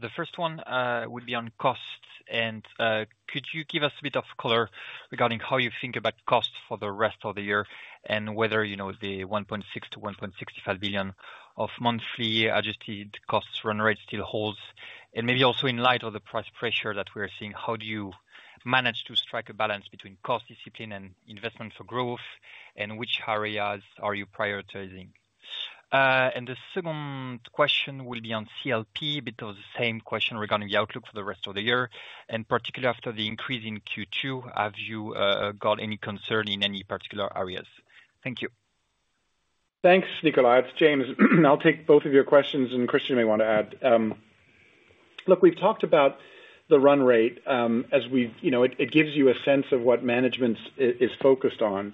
The first one would be on costs. Could you give us a bit of color regarding how you think about costs for the rest of the year, and whether, you know, the 1.6 billion-1.65 billion of monthly adjusted costs run rate still holds? Maybe also in light of the price pressure that we are seeing, how do you manage to strike a balance between cost discipline and investment for growth, and which areas are you prioritizing? The second question will be on CLP. The same question regarding the outlook for the rest of the year, and particularly after the increase in Q2, have you got any concern in any particular areas? Thank you. Thanks, Nicolas. It's James. I'll take both of your questions, and Christian may want to add. Look, we've talked about the run rate. You know, it gives you a sense of what management is focused on.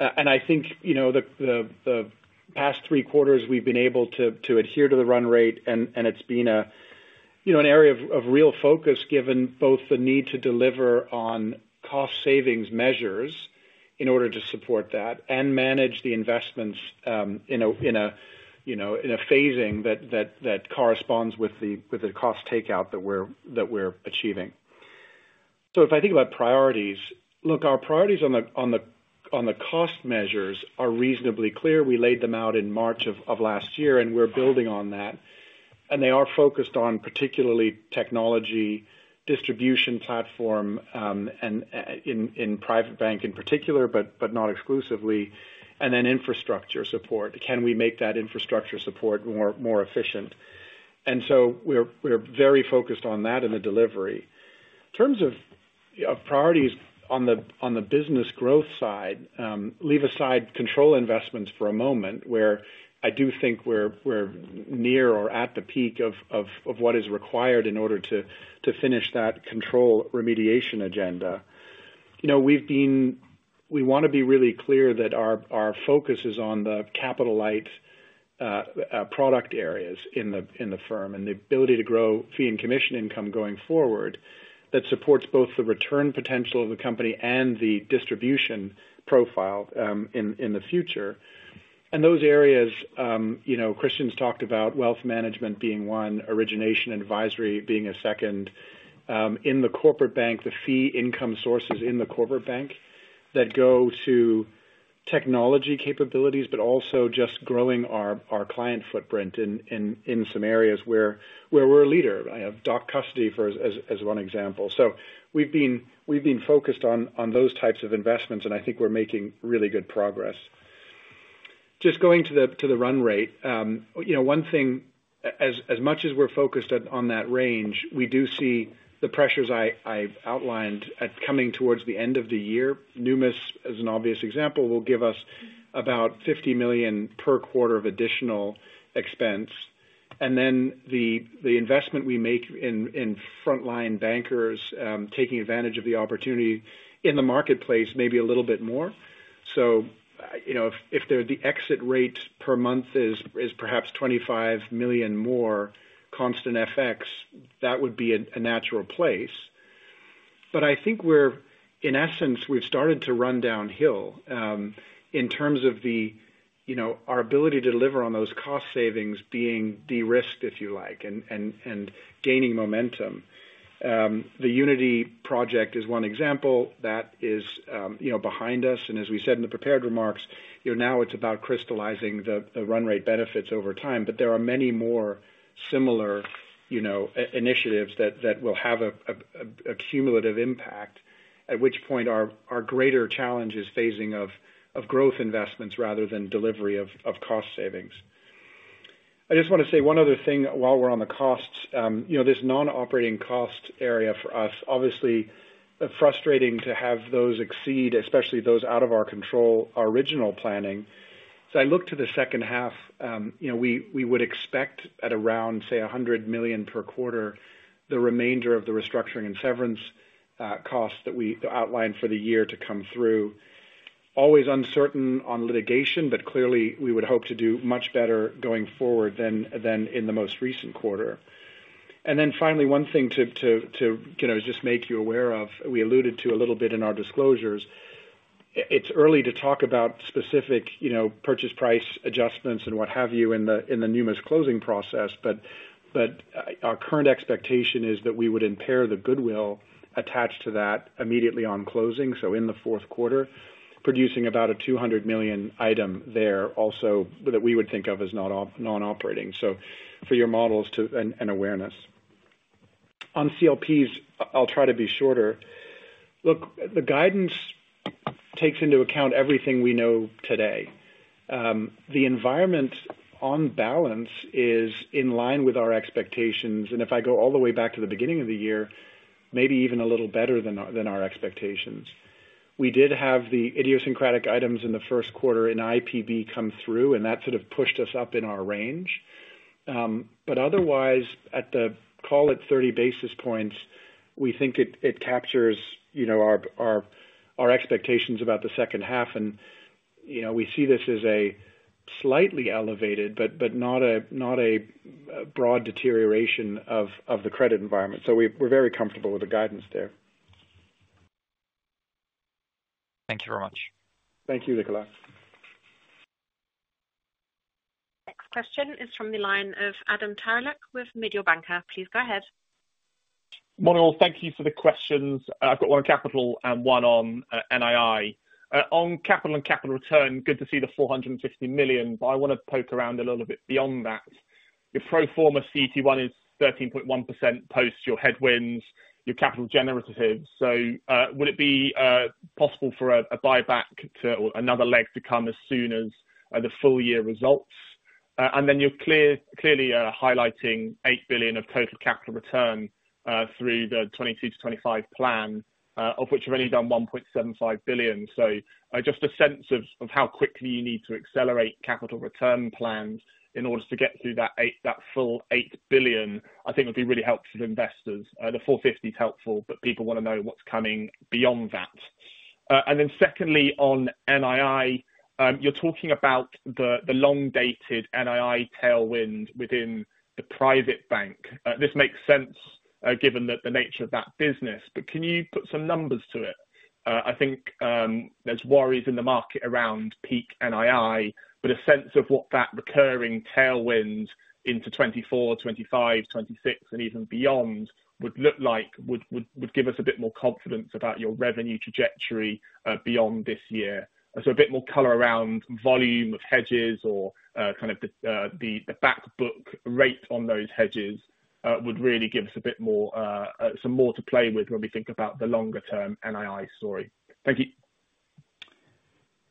I think, you know, the past three quarters we've been able to adhere to the run rate, and it's been a, you know, an area of real focus, given both the need to deliver on cost savings measures in order to support that and manage the investments, in a, you know, in a phasing that corresponds with the cost takeout that we're achieving. If I think about priorities, look, our priorities on the cost measures are reasonably clear. We laid them out in March of last year, we're building on that, and they are focused on particularly technology, distribution platform, and in Private Bank in particular, but not exclusively, then infrastructure support. Can we make that infrastructure support more efficient? We're very focused on that in the delivery. In terms of priorities on the business growth side, leave aside control investments for a moment, where I do think we're near or at the peak of what is required in order to finish that control remediation agenda. You know, we wanna be really clear that our focus is on the capital light product areas in the firm and the ability to grow fee and commission income going forward, that supports both the return potential of the company and the distribution profile in the future. Those areas, you know, Christian's talked about wealth management being one, Origination & Advisory being a second. In the Corporate Bank, the fee income sources in the Corporate Bank that go to technology capabilities, but also just growing our client footprint in some areas where we're a leader. I have doc custody as one example. We've been focused on those types of investments, and I think we're making really good progress. Just going to the run rate, you know, one thing as much as we're focused on that range, we do see the pressures I've outlined coming towards the end of the year. Numis, as an obvious example, will give us about 50 million per quarter of additional expense. The investment we make in frontline bankers, taking advantage of the opportunity in the marketplace, maybe a little bit more. You know, if the exit rate per month is perhaps 25 million more constant FX, that would be a natural place. I think in essence, we've started to run downhill, in terms of you know, our ability to deliver on those cost savings being de-risked, if you like, and gaining momentum. The Unity project is one example that is, you know, behind us, and as we said in the prepared remarks, you know, now it's about crystallizing the run rate benefits over time. There are many more similar, you know, initiatives that will have a cumulative impact, at which point our greater challenge is phasing of growth investments rather than delivery of cost savings. I just wanna say one other thing while we're on the costs. You know, this non-operating cost area for us, obviously frustrating to have those exceed, especially those out of our control, our original planning. I look to the second half, you know, we would expect at around, say, 100 million per quarter, the remainder of the restructuring and severance costs that we outlined for the year to come through. Always uncertain on litigation, clearly we would hope to do much better going forward than in the most recent quarter. Finally, one thing to, you know, just make you aware of, we alluded to a little bit in our disclosures. It's early to talk about specific, you know, purchase price adjustments and what have you in the Numis closing process, our current expectation is that we would impair the goodwill attached to that immediately on closing, so in the fourth quarter, producing about a 200 million item there also, that we would think of as non-operating. For your models to... and awareness. On CLPs, I'll try to be shorter. Look, the guidance takes into account everything we know today. The environment on balance is in line with our expectations, and if I go all the way back to the beginning of the year, maybe even a little better than our expectations. We did have the idiosyncratic items in the first quarter, and IPB come through, and that sort of pushed us up in our range. Otherwise, at the call it 30 basis points, we think it captures, you know, our expectations about the second half. You know, we see this as a slightly elevated, but not a broad deterioration of the credit environment. We're very comfortable with the guidance there. Thank you very much. Thank you, Nicholas. Next question is from the line of Adam Terelak with Mediobanca. Please go ahead. Morning, all. Thank you for the questions. I've got one on capital and one on NII. On capital and capital return, good to see the 450 million, but I wanna poke around a little bit beyond that. Your pro forma CET1 is 13.1% post your headwinds, your capital generative. would it be possible for a buyback to or another leg to come as soon as the full year results? And then you're clearly highlighting 8 billion of total capital return through the 2022-2025 plan, of which you've only done 1.75 billion. just a sense of how quickly you need to accelerate capital return plans in order to get through that full 8 billion, I think would be really helpful to investors. The 450 is helpful, but people wanna know what's coming beyond that. Secondly, on NII, you're talking about the long-dated NII tailwind within the private bank. This makes sense, given that the nature of that business, but can you put some numbers to it? I think there's worries in the market around peak NII, but a sense of what that recurring tailwind into 2024, 2025, 2026 and even beyond would look like, would give us a bit more confidence about your revenue trajectory beyond this year. A bit more color around volume of hedges or kind of the backbook rate on those hedges would really give us a bit more some more to play with when we think about the longer term NII story. Thank you.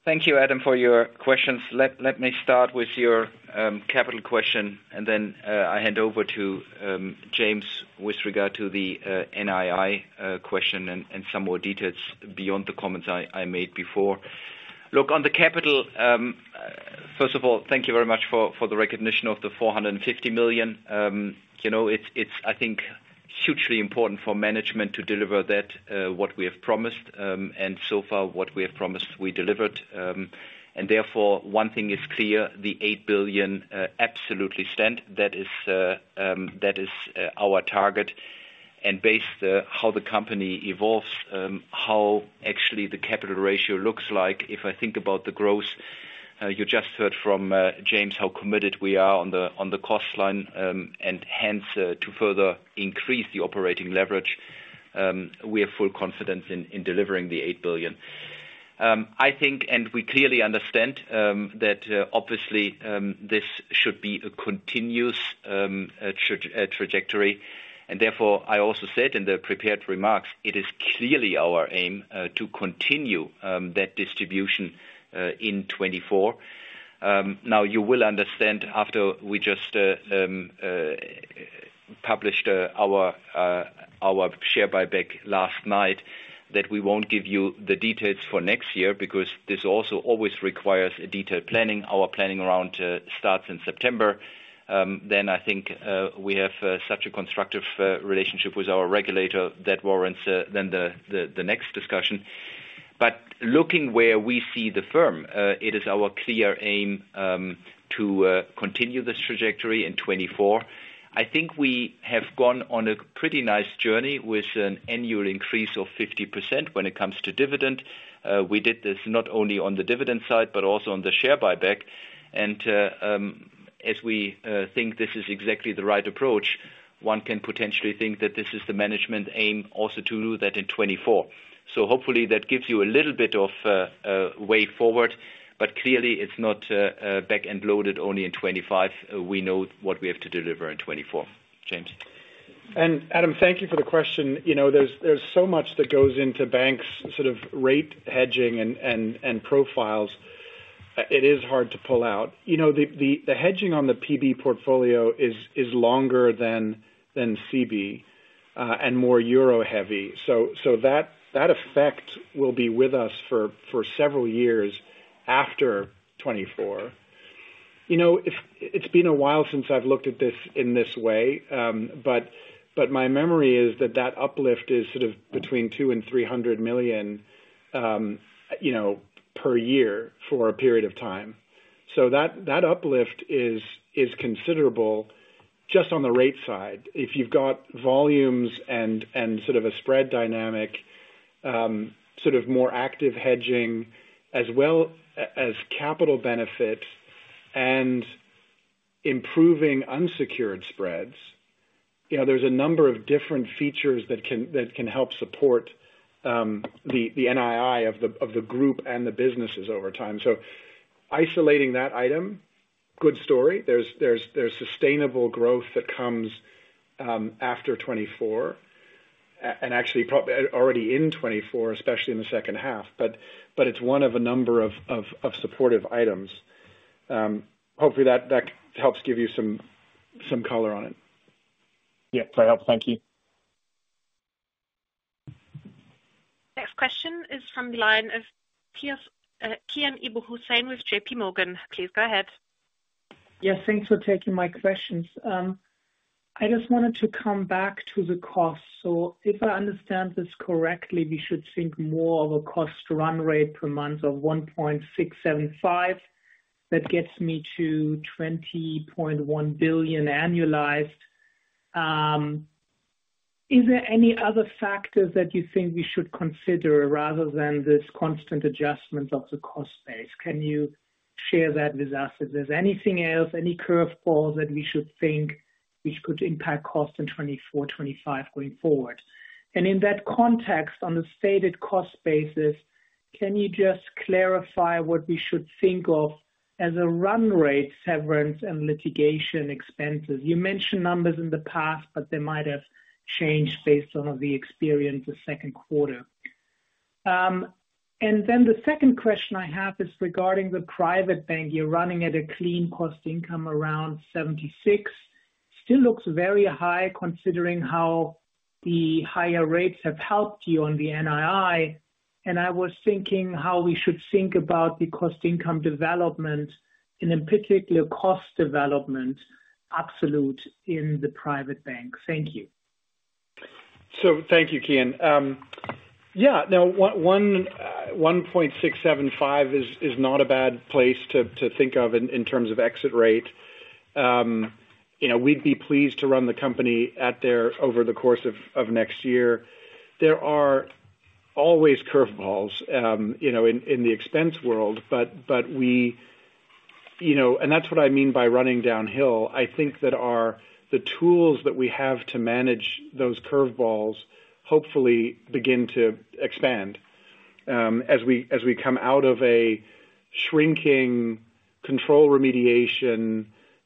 Thank you, Adam, for your questions. Let me start with your capital question, then I hand over to James, with regard to the NII question and some more details beyond the comments I made before. Look, on the capital. First of all, thank you very much for the recognition of the 450 million. You know, it's, I think, hugely important for management to deliver that what we have promised, and so far, what we have promised, we delivered. Therefore, one thing is clear, the 8 billion absolutely stand. That is, that is our target. Based how the company evolves, how actually the capital ratio looks like, if I think about the growth, you just heard from James, how committed we are on the cost line, and hence, to further increase the operating leverage, we have full confidence in delivering the 8 billion. We clearly understand that obviously this should be a continuous trajectory. Therefore, I also said in the prepared remarks, it is clearly our aim to continue that distribution in 2024. Now you will understand, after we just published our share buyback last night, that we won't give you the details for next year, because this also always requires a detailed planning. Our planning around starts in September. I think we have such a constructive relationship with our regulator that warrants the next discussion. Looking where we see the firm, it is our clear aim to continue this trajectory in 2024. I think we have gone on a pretty nice journey with an annual increase of 50% when it comes to dividend. We did this not only on the dividend side, but also on the share buyback. As we think this is exactly the right approach, one can potentially think that this is the management aim also to do that in 2024. Hopefully, that gives you a little bit of a way forward, but clearly it's not back-end loaded only in 2025. We know what we have to deliver in 2024. James? Adam, thank you for the question. You know, there's so much that goes into banks, sort of rate hedging and profiles, it is hard to pull out. You know, the hedging on the PB portfolio is longer than CB, and more EUR heavy. That effect will be with us for several years after 2024. You know, it's been a while since I've looked at this in this way, but my memory is that uplift is sort of between 200 million and 300 million per year for a period of time. That uplift is considerable just on the rate side. If you've got volumes and sort of a spread dynamic, sort of more active hedging, as well as capital benefits and improving unsecured spreads, you know, there's a number of different features that can help support the NII of the group and the businesses over time. Isolating that item, good story. There's sustainable growth that comes after 2024, and actually already in 2024, especially in the second half, but it's one of a number of supportive items. Hopefully, that helps give you some color on it. Yeah, that helps. Thank you. Next question is from the line of Kian Abouhossein with JPMorgan. Please go ahead. Yes, thanks for taking my questions. I just wanted to come back to the cost. If I understand this correctly, we should think more of a cost run rate per month of 1.675. That gets me to 20.1 billion annualized. Is there any other factors that you think we should consider rather than this constant adjustment of the cost base? Can you share that with us? If there's anything else, any curve balls that we should think which could impact cost in 2024, 2025 going forward? In that context, on the stated cost basis, can you just clarify what we should think of as a run rate, severance and litigation expenses? You mentioned numbers in the past, but they might have changed based on the experience of second quarter. The second question I have is regarding the private bank. You're running at a clean cost income around 76%. Still looks very high, considering how the higher rates have helped you on the NII, and I was thinking how we should think about the cost income development, and in particular, cost development, absolute in the private bank. Thank you. Thank you, Kian. Yeah, now 1.675 is not a bad place to think of in terms of exit rate. You know, we'd be pleased to run the company at there over the course of next year. There are always curve balls, you know, in the expense world, but You know, and that's what I mean by running downhill. I think that the tools that we have to manage those curve balls hopefully begin to expand, as we come out of a shrinking control remediation,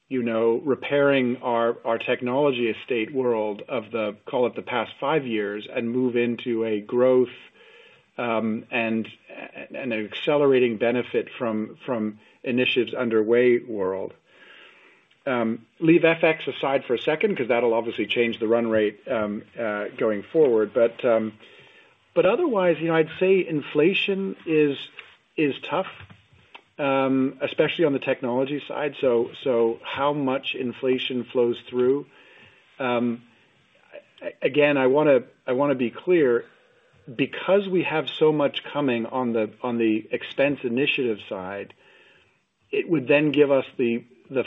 you know, repairing our technology estate world of the, call it the past five years, and move into a growth, and an accelerating benefit from initiatives underway world. Leave FX aside for a second, because that'll obviously change the run rate going forward. Otherwise, you know, I'd say inflation is tough, especially on the technology side. How much inflation flows through? Again, I want to be clear, because we have so much coming on the expense initiative side, it would then give us the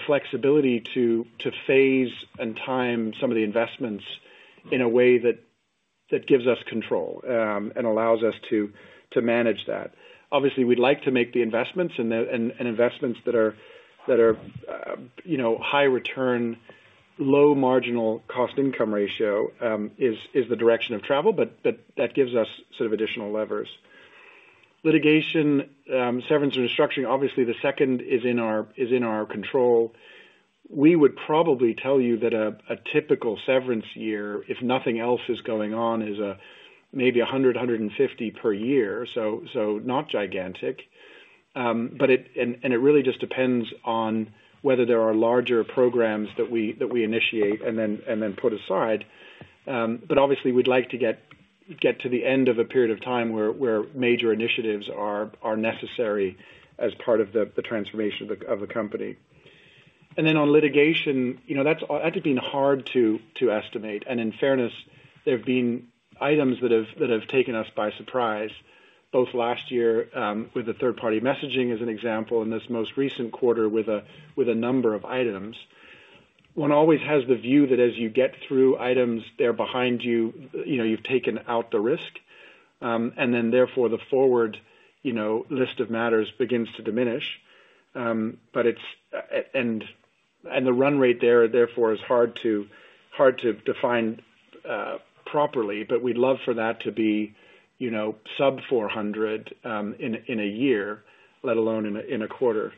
flexibility to phase and time some of the investments in a way that gives us control and allows us to manage that. Obviously, we'd like to make the investments and investments that are, you know, high return, low marginal cost income ratio is the direction of travel, but that gives us sort of additional levers. Litigation, severance and restructuring, obviously, the second is in our control. We would probably tell you that a typical severance year, if nothing else is going on, is a maybe 100- 150 per year, so not gigantic. But it really just depends on whether there are larger programs that we initiate and then put aside. But obviously we'd like to get to the end of a period of time where major initiatives are necessary as part of the transformation of the company. Then on litigation, you know, that's been hard to estimate. In fairness, there have been items that have taken us by surprise, both last year, with the third party messaging, as an example, in this most recent quarter, with a number of items. One always has the view that as you get through items, they're behind you know, you've taken out the risk, and then therefore the forward, you know, list of matters begins to diminish. But it's, and the run rate there, therefore, is hard to define properly. We'd love for that to be, you know, sub 400, in a year, let alone in a quarter.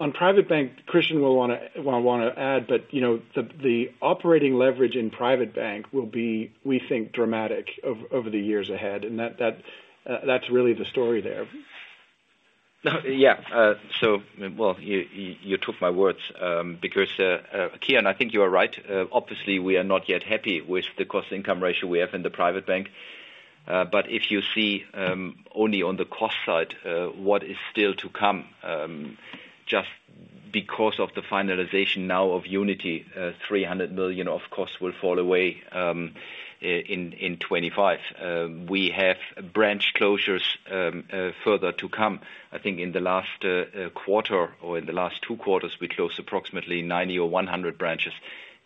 On Private Bank, Christian will wanna add, but, you know, the operating leverage in Private Bank will be, we think, dramatic over the years ahead, and that's really the story there. Well, you took my words because Kian, I think you are right. Obviously, we are not yet happy with the cost income ratio we have in the private bank. If you see only on the cost side, what is still to come, just because of the finalization now of Unity, 300 million of costs will fall away in 25. We have branch closures further to come. I think in the last quarter or in the last two quarters, we closed approximately 90 or 100 branches.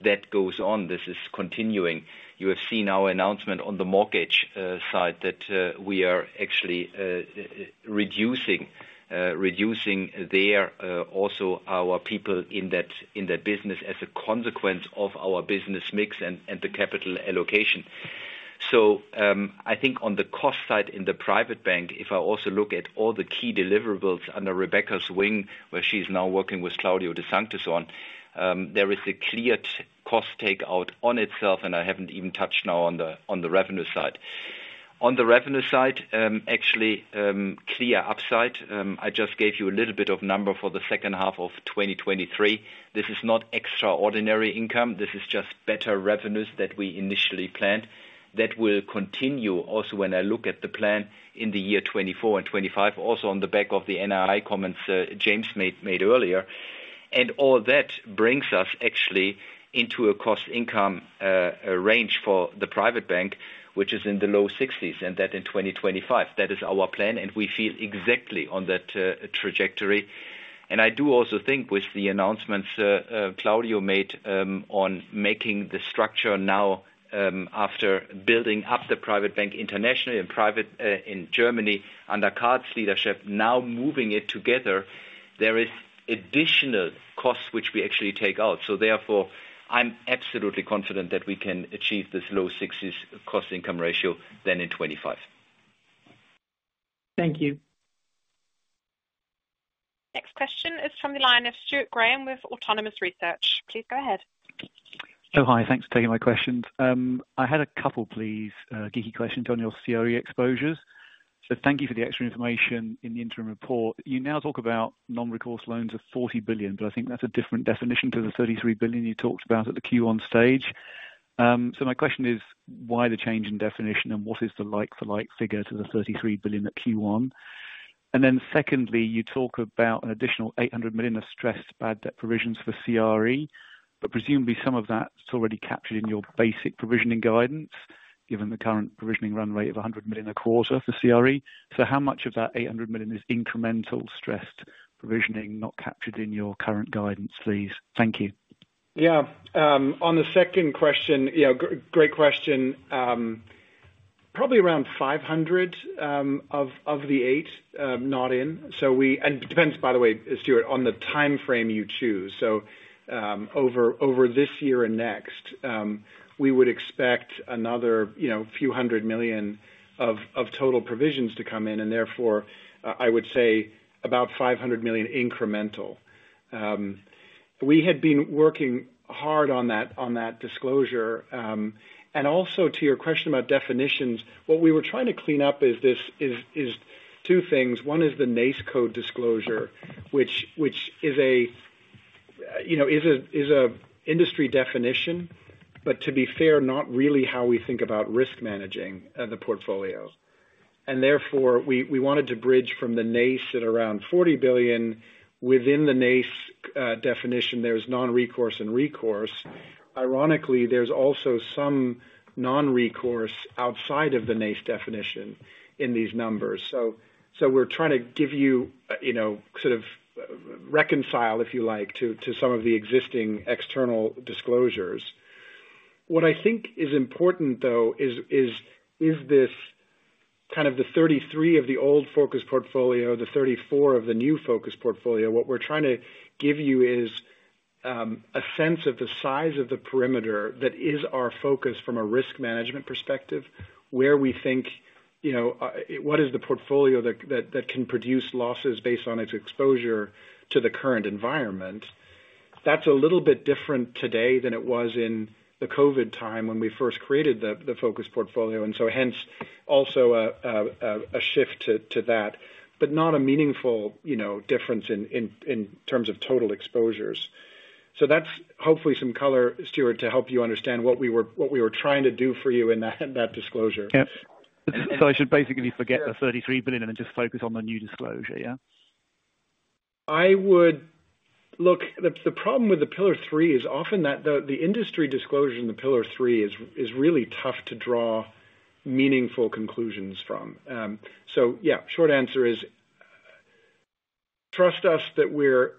That goes on. This is continuing. You have seen our announcement on the mortgage side, that we are actually reducing there also our people in that business as a consequence of our business mix and the capital allocation. I think on the cost side, in the Private Bank, if I also look at all the key deliverables under Rebecca's wing, where she's now working with Claudio de Sanctis on, there is a clear cost takeout on itself, and I haven't even touched now on the revenue side. On the revenue side, actually, clear upside. I just gave you a little bit of number for the second half of 2023. This is not extraordinary income, this is just better revenues that we initially planned. That will continue also, when I look at the plan in the year 2024 and 2025, also on the back of the NII comments James made earlier. All that brings us actually into a cost income range for the private bank, which is in the low sixties, and that in 2025. That is our plan. We feel exactly on that trajectory. I do also think with the announcements Claudio made on making the structure now after building up the private bank internationally and private in Germany, under Karl's leadership, now moving it together, there is additional costs which we actually take out. I'm absolutely confident that we can achieve this low sixties cost income ratio then in 2025. Thank you. Next question is from the line of Stuart Graham with Autonomous Research. Please go ahead. Hi. Thanks for taking my questions. I had a couple, please, geeky questions on your CRE exposures. Thank you for the extra information in the interim report. You now talk about non-recourse loans of 40 billion, I think that's a different definition to the 33 billion you talked about at the Q1 stage. My question is, why the change in definition, and what is the like for like figure to the 33 billion at Q1? Secondly, you talk about an additional 800 million of stressed bad debt provisions for CRE, presumably some of that's already captured in your basic provisioning guidance, given the current provisioning run rate of 100 million a quarter for CRE. How much of that 800 million is incremental stressed provisioning not captured in your current guidance, please? Thank you. Yeah. On the second question, great question. Probably around 500 million of the 800 million, not in. And it depends, by the way, Stuart, on the timeframe you choose. Over this year and next, we would expect another, you know, few hundred million of total provisions to come in, and therefore, I would say about 500 million incremental. We had been working hard on that, on that disclosure. And also, to your question about definitions, what we were trying to clean up is two things. One is the NAICS code disclosure, which is a, you know, is an industry definition, but to be fair, not really how we think about risk managing the portfolio. Therefore, we wanted to bridge from the NACE at around 40 billion. Within the NACE definition, there's non-recourse and recourse. Ironically, there's also some non-recourse outside of the NACE definition in these numbers. We're trying to give you know, sort of reconcile, if you like, to some of the existing external disclosures. What I think is important though, is this kind of the 33 of the old focus portfolio, the 34 of the new focus portfolio. We're trying to give you a sense of the size of the perimeter that is our focus from a risk management perspective, where we think, you know, what is the portfolio that can produce losses based on its exposure to the current environment? That's a little bit different today than it was in the COVID time when we first created the focus portfolio, hence, also, a shift to that. Not a meaningful, you know, difference in terms of total exposures. That's hopefully some color, Stuart, to help you understand what we were trying to do for you in that disclosure. Yep. I should basically forget the 33 billion and just focus on the new disclosure, yeah? Look, the problem with the Pillar 3 is often that the industry disclosure in the Pillar 3 is really tough to draw meaningful conclusions from. Yeah, short answer is, trust us that we're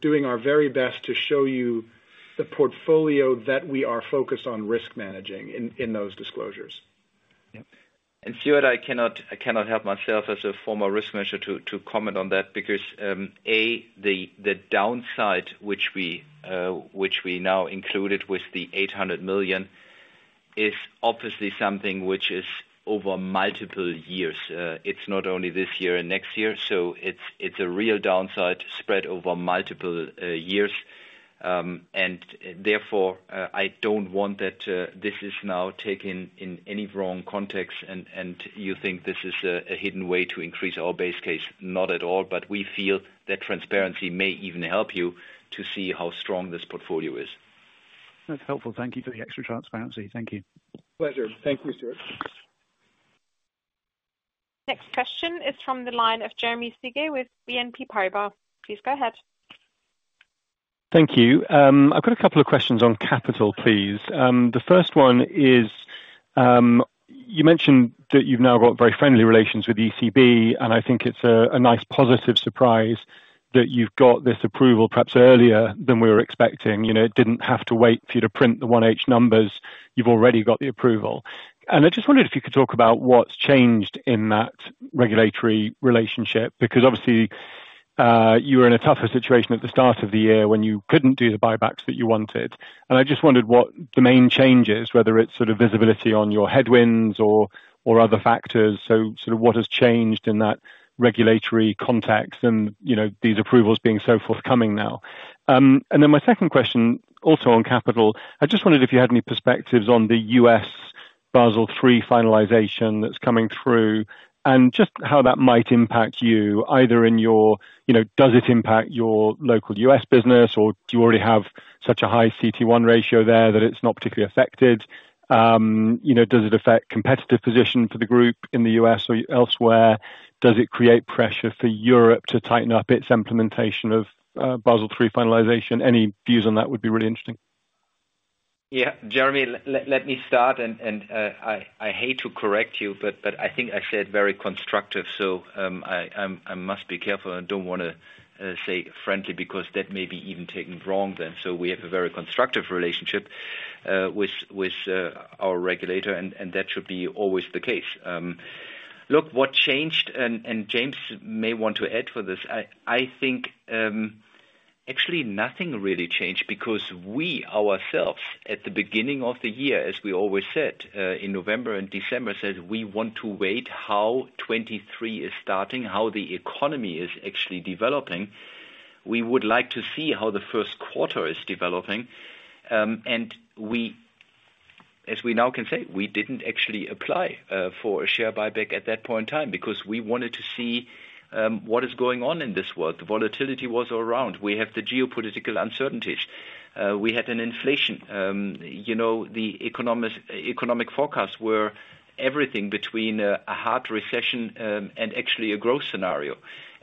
doing our very best to show you the portfolio that we are focused on risk managing in those disclosures. Yep. Stuart, I cannot help myself as a former risk manager to comment on that because A, the downside, which we now included with 800 million, is obviously something which is over multiple years. It's not only this year and next year, so it's a real downside spread over multiple years. Therefore, I don't want that this is now taken in any wrong context, and you think this is a hidden way to increase our base case. Not at all. We feel that transparency may even help you to see how strong this portfolio is. That's helpful. Thank you for the extra transparency. Thank you. Pleasure. Thank you, Stuart. Next question is from the line of Jeremy Sigee with BNP Paribas. Please go ahead. Thank you. I've got a couple of questions on capital, please. The first one is, you mentioned that you've now got very friendly relations with ECB, and I think it's a nice positive surprise that you've got this approval perhaps earlier than we were expecting. You know, it didn't have to wait for you to print the 1H numbers. You've already got the approval. I just wondered if you could talk about what's changed in that regulatory relationship, because obviously, you were in a tougher situation at the start of the year when you couldn't do the buybacks that you wanted. I just wondered what the main change is, whether it's sort of visibility on your headwinds or other factors. Sort of what has changed in that regulatory context and, you know, these approvals being so forthcoming now? My second question, also on capital, I just wondered if you had any perspectives on the U.S. Basel III finalization that's coming through, and just how that might impact you either You know, does it impact your local U.S. business, or do you already have such a high CET1 ratio there that it's not particularly affected? You know, does it affect competitive position for the group in the U.S. or elsewhere? Does it create pressure for Europe to tighten up its implementation of Basel III finalization? Any views on that would be really interesting? Yeah, Jeremy, let me start, and I hate to correct you, but I think I said very constructive, I must be careful. I don't wanna say friendly, because that may be even taken wrong then. We have a very constructive relationship with our regulator, and that should be always the case. Look, what changed, and James may want to add for this, I think, actually nothing really changed. We ourselves, at the beginning of the year, as we always said, in November and December, said we want to wait how 2023 is starting, how the economy is actually developing. We would like to see how the first quarter is developing. We, as we now can say, we didn't actually apply for a share buyback at that point in time, because we wanted to see what is going on in this world. The volatility was around. We have the geopolitical uncertainties. We had an inflation. You know, the economic forecast were everything between a hard recession and actually a growth scenario.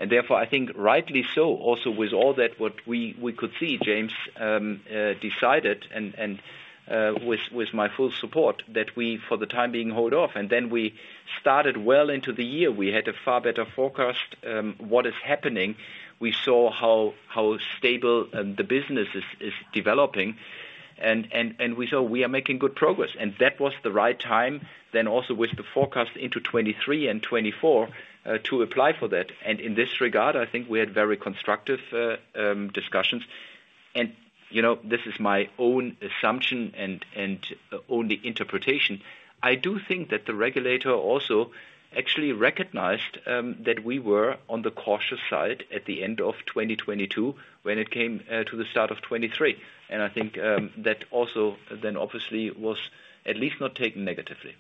Therefore, I think rightly so, also with all that, what we could see, James, decided and with my full support, that we, for the time being, hold off. Then we started well into the year. We had a far better forecast what is happening. We saw how stable the business is developing and we saw we are making good progress, and that was the right time then also with the forecast into 2023 and 2024 to apply for that. In this regard, I think we had very constructive discussions, and, you know, this is my own assumption and only interpretation. I do think that the regulator also actually recognized that we were on the cautious side at the end of 2022, when it came to the start of 2023. I think that also then obviously was at least not taken negatively.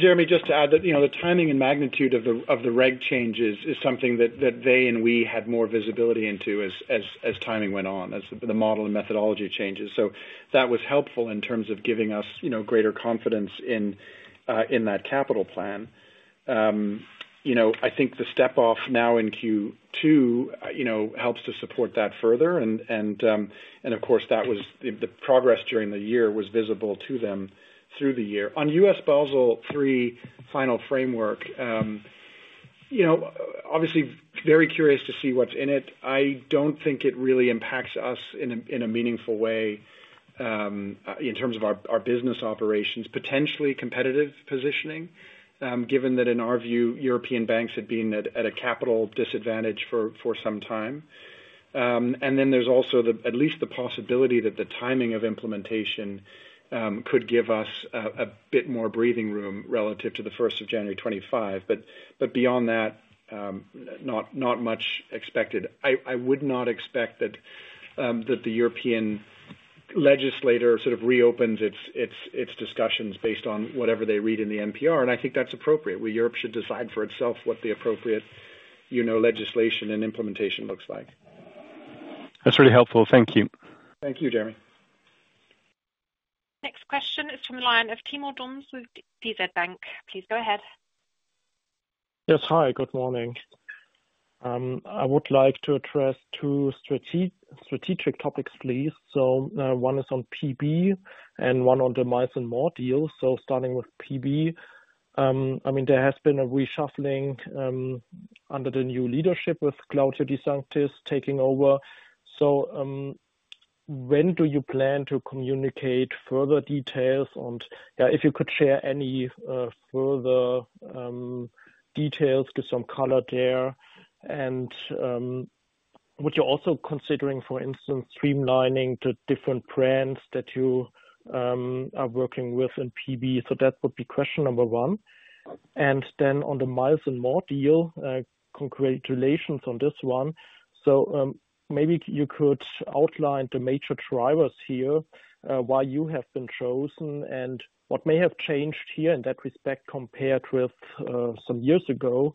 Jeremy, just to add that, you know, the timing and magnitude of the, of the reg changes is something that they and we had more visibility into as, as timing went on, as the model and methodology changes. That was helpful in terms of giving us, you know, greater confidence in that capital plan. You know, I think the step off now in Q2, you know, helps to support that further, and of course, that was the progress during the year was visible to them through the year. U.S. Basel III final framework, you know, obviously very curious to see what's in it. I don't think it really impacts us in a meaningful way, in terms of our business operations, potentially competitive positioning, given that in our view, European banks had been at a capital disadvantage for some time. Then there's also at least the possibility that the timing of implementation could give us a bit more breathing room relative to the 1st of January 2025, but beyond that, not much expected. I would not expect that the European legislator sort of reopens its discussions based on whatever they read in the NPR, and I think that's appropriate, where Europe should decide for itself what the appropriate, you know, legislation and implementation looks like. That's really helpful. Thank you. Thank you, Jeremy. Next question is from the line of Timo Dums with DZ Bank. Please go ahead. Yes. Hi, good morning. I would like to address two strategic topics, please. One is on PB and one on the Miles & More deal. Starting with PB, I mean, there has been a reshuffling under the new leadership with Claudio De Sanctis taking over. When do you plan to communicate further details on if you could share any further details to some color there, and would you also considering, for instance, streamlining the different brands that you are working with in PB? That would be question number one. On the Miles & More deal, congratulations on this one. Maybe you could outline the major drivers here, why you have been chosen, and what may have changed here in that respect compared with some years ago?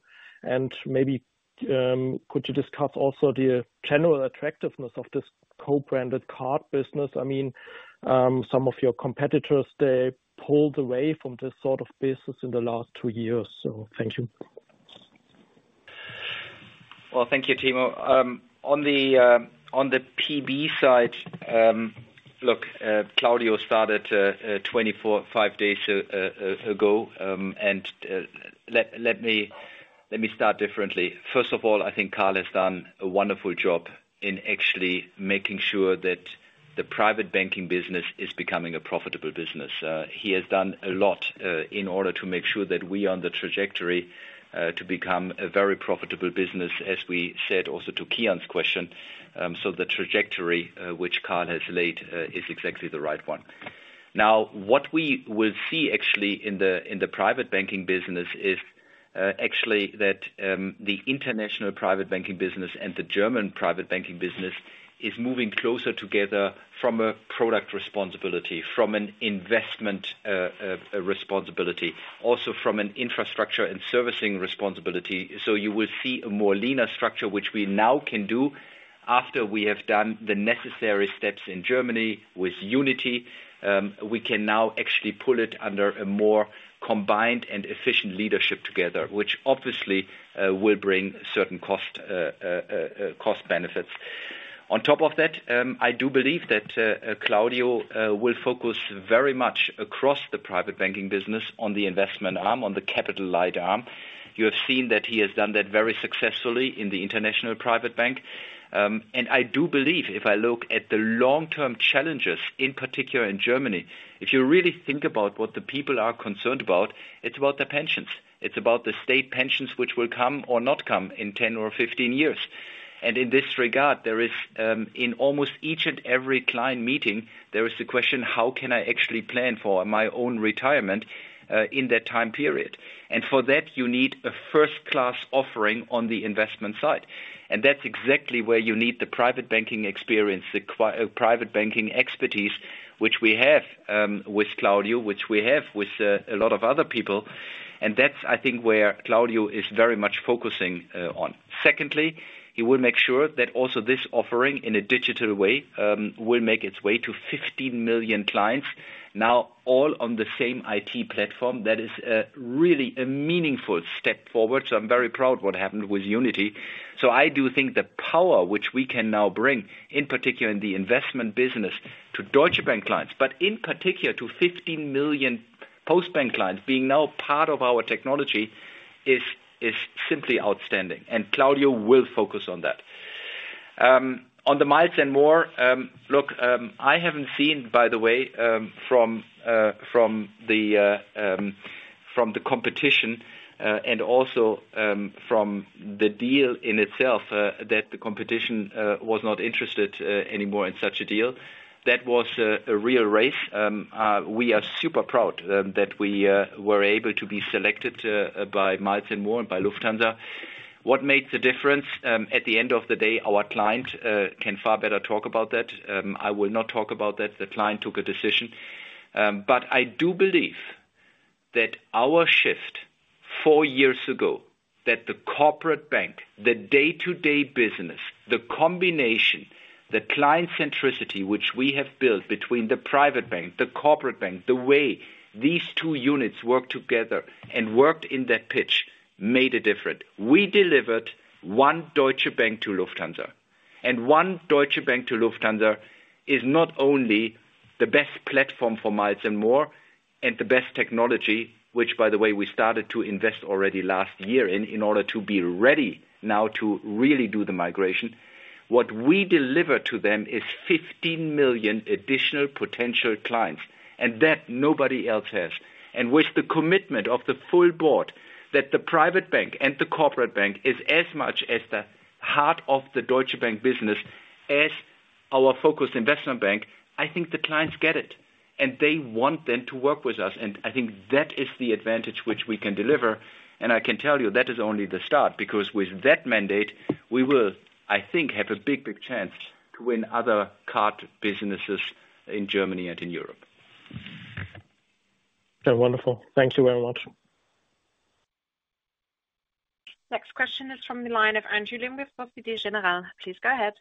Maybe, could you discuss also the general attractiveness of this co-branded card business? I mean, some of your competitors, they pulled away from this sort of business in the last two years. Thank you. Well, thank you, Timo. On the PB side, look, Claudio de Sanctis started 24, five days ago, let me start differently. First of all, I think Karl has done a wonderful job in actually making sure that the private banking business is becoming a profitable business. He has done a lot in order to make sure that we are on the trajectory to become a very profitable business, as we said also to Kian Abouhossein's question. The trajectory which Karl has laid is exactly the right one. What we will see actually in the, in the private banking business is actually that the international private banking business and the German private banking business is moving closer together from a product responsibility, from an investment responsibility, also from an infrastructure and servicing responsibility. You will see a more leaner structure, which we now can do after we have done the necessary steps in Germany with Unity. We can now actually pull it under a more combined and efficient leadership together, which obviously will bring certain cost benefits. On top of that, I do believe that Claudio will focus very much across the private banking business on the investment arm, on the capital light arm. You have seen that he has done that very successfully in the International Private Bank. I do believe if I look at the long-term challenges, in particular in Germany, if you really think about what the people are concerned about, it's about their pensions. It's about the state pensions, which will come or not come in 10 or 15 years. In this regard, there is in almost each and every client meeting, there is a question: How can I actually plan for my own retirement in that time period? For that, you need a first-class offering on the investment side. That's exactly where you need the private banking experience, private banking expertise, which we have with Claudio, which we have with a lot of other people, and that's, I think, where Claudio is very much focusing on. Secondly, he will make sure that also this offering in a digital way, will make its way to 15 million clients, now all on the same IT platform. That is really a meaningful step forward, so I'm very proud what happened with Unity. I do think the power which we can now bring, in particular in the investment business, to Deutsche Bank clients, but in particular to 15 million Postbank clients, being now part of our technology, is simply outstanding, and Claudio will focus on that. On the Miles & More, look, I haven't seen, by the way, from the competition, and also from the deal in itself, that the competition was not interested anymore in such a deal. That was a real race. We are super proud that we were able to be selected by Miles & More and by Lufthansa. What made the difference? At the end of the day, our client can far better talk about that. I will not talk about that. The client took a decision. I do believe that our shift four years ago, that the Corporate Bank, the day-to-day business, the combination, the client centricity, which we have built between the Private Bank, the Corporate Bank, the way these two units work together and worked in that pitch, made a difference. We delivered one Deutsche Bank to Lufthansa. One Deutsche Bank to Lufthansa is not only the best platform for Miles & More and the best technology, which by the way, we started to invest already last year in order to be ready now to really do the migration. What we deliver to them is 15 million additional potential clients, and that nobody else has. With the commitment of the full board, that the Private Bank and the Corporate Bank is as much as the heart of the Deutsche Bank business as our focus Investment Bank, I think the clients get it. They want then to work with us. I think that is the advantage which we can deliver. I can tell you, that is only the start, because with that mandate, we will, I think, have a big, big chance to win other card businesses in Germany and in Europe. Wonderful. Thank you very much. Next question is from the line of Andrew Lim with Societe Generale. Please go ahead.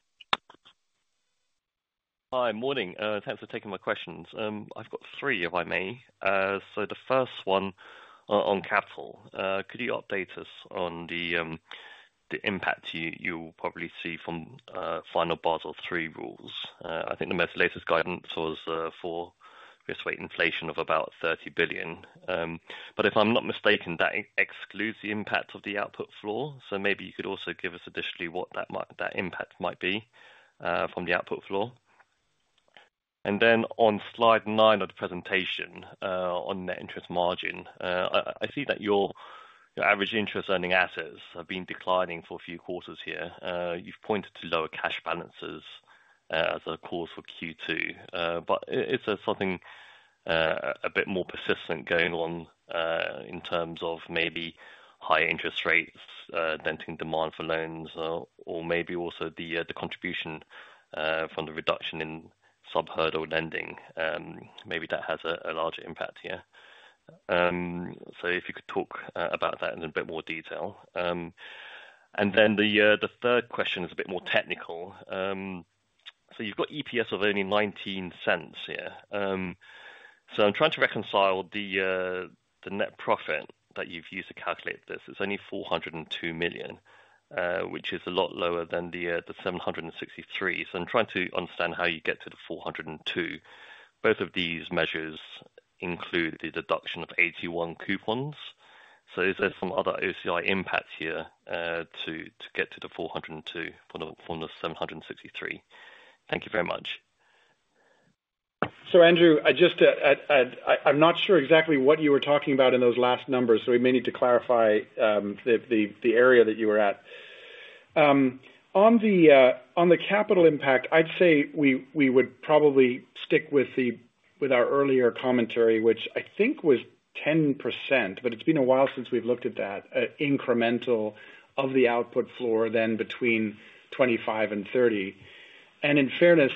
Hi, morning. Thanks for taking my questions. I've got three, if I may. The first one on capital. Could you update us on the impact you'll probably see from final Basel III rules? I think the most latest guidance was for risk weight inflation of about 30 billion. If I'm not mistaken, that excludes the impact of the output floor. Maybe you could also give us additionally what that impact might be from the output floor. On slide 9 of the presentation, on net interest margin, I see that your average interest earning assets have been declining for a few quarters here. You've pointed to lower cash balances as a cause for Q2. Is there something a bit more persistent going on in terms of maybe high interest rates denting demand for loans, or maybe also the contribution from the reduction in sub-hurdle lending? Maybe that has a larger impact here. If you could talk about that in a bit more detail. Then the third question is a bit more technical. You've got EPS of only 0.19 here. I'm trying to reconcile the net profit that you've used to calculate this. It's only 402 million, which is a lot lower than 763 million. I'm trying to understand how you get to the 402. Both of these measures include the deduction of AT1 coupons. Is there some other OCI impacts here, to get to 402 from 763? Thank you very much. Andrew, I just, I'm not sure exactly what you were talking about in those last numbers, so we may need to clarify the area that you were at. On the capital impact, I'd say we would probably stick with our earlier commentary, which I think was 10%, but it's been a while since we've looked at that incremental of the output floor, then between 25% and 30%. In fairness,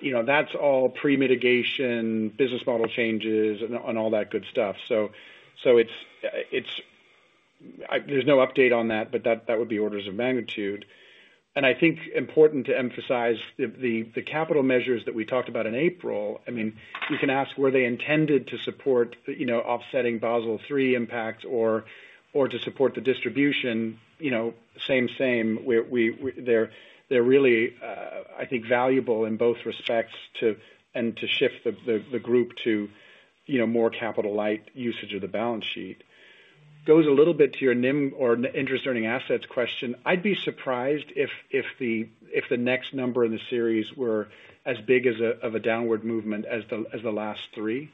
you know, that's all pre-mitigation, business model changes and all that good stuff. There's no update on that, but that would be orders of magnitude. I think important to emphasize the capital measures that we talked about in April, I mean, you can ask were they intended to support, you know, offsetting Basel III impacts or to support the distribution, you know, same. They're really, I think, valuable in both respects to, and to shift the group to, you know, more capital light usage of the balance sheet. Goes a little bit to your NIM or interest earning assets question. I'd be surprised if the next number in the series were as big as a downward movement as the last three.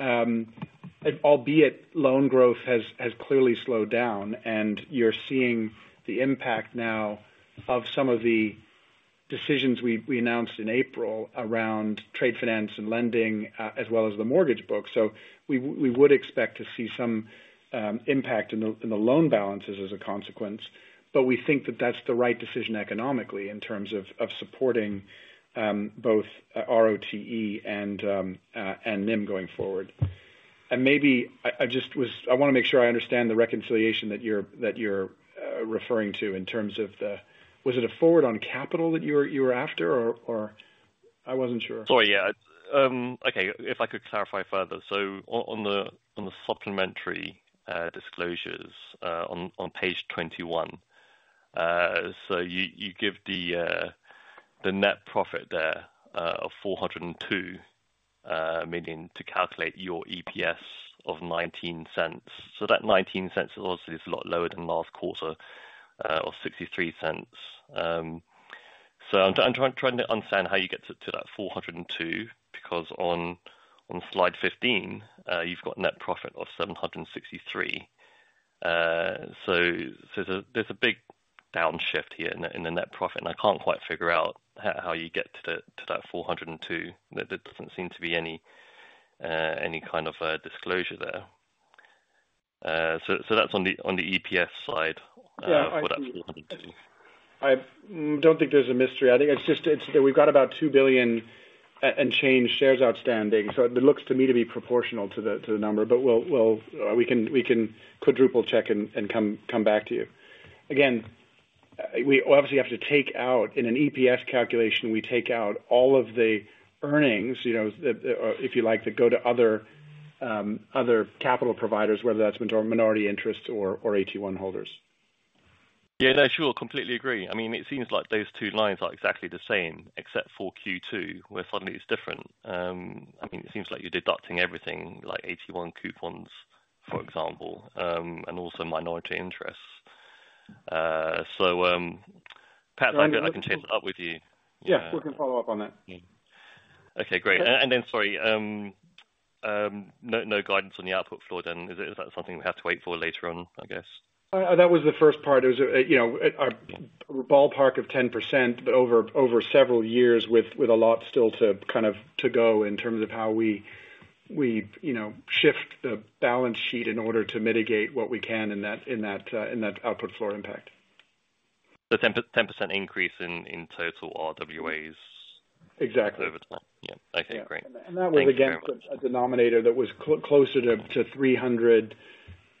Albeit loan growth has clearly slowed down, you're seeing the impact now of some of the decisions we announced in April around trade finance and lending, as well as the mortgage book. We would expect to see some impact in the loan balances as a consequence. We think that that's the right decision economically, in terms of supporting both RoTE and NIM going forward. Maybe I wanna make sure I understand the reconciliation that you're referring to in terms of Was it a forward on capital that you were after, or? I wasn't sure. Sorry, yeah. Okay, if I could clarify further. On the supplementary disclosures on page 21, you give the net profit there of 402 million to calculate your EPS of 0.19. That 0.19 obviously is a lot lower than last quarter of 0.63. I'm trying to understand how you get to that 402, because on slide 15, you've got net profit of 763. There's a big downshift here in the net profit, and I can't quite figure out how you get to that 402. There doesn't seem to be any kind of disclosure there? That's on the, on the EPS side, what I wanted to- I don't think there's a mystery. I think it's just, it's that we've got about 2 billion and change shares outstanding, so it looks to me to be proportional to the, to the number. We'll, we can quadruple check and come back to you. Again, we obviously have to take out. In an EPS calculation, we take out all of the earnings, you know, that if you like, to go to other capital providers, whether that's minority interests or AT1 holders. Yeah. No, sure, completely agree. I mean, it seems like those two lines are exactly the same, except for Q2, where suddenly it's different. I mean, it seems like you're deducting everything like AT1 coupons, for example, and also minority interests. Pat, I can chase it up with you. Yeah, we can follow up on that. Okay, great. Sorry, no guidance on the output floor then? Is that something we have to wait for later on, I guess? That was the first part. It was, you know, our ballpark of 10% over several years with a lot still to kind of, to go in terms of how we, you know, shift the balance sheet in order to mitigate what we can in that output floor impact. The 10% increase in total RWAs. Exactly. Over time. Yeah. Okay, great. That was. Thank you very much. A denominator that was closer to 300,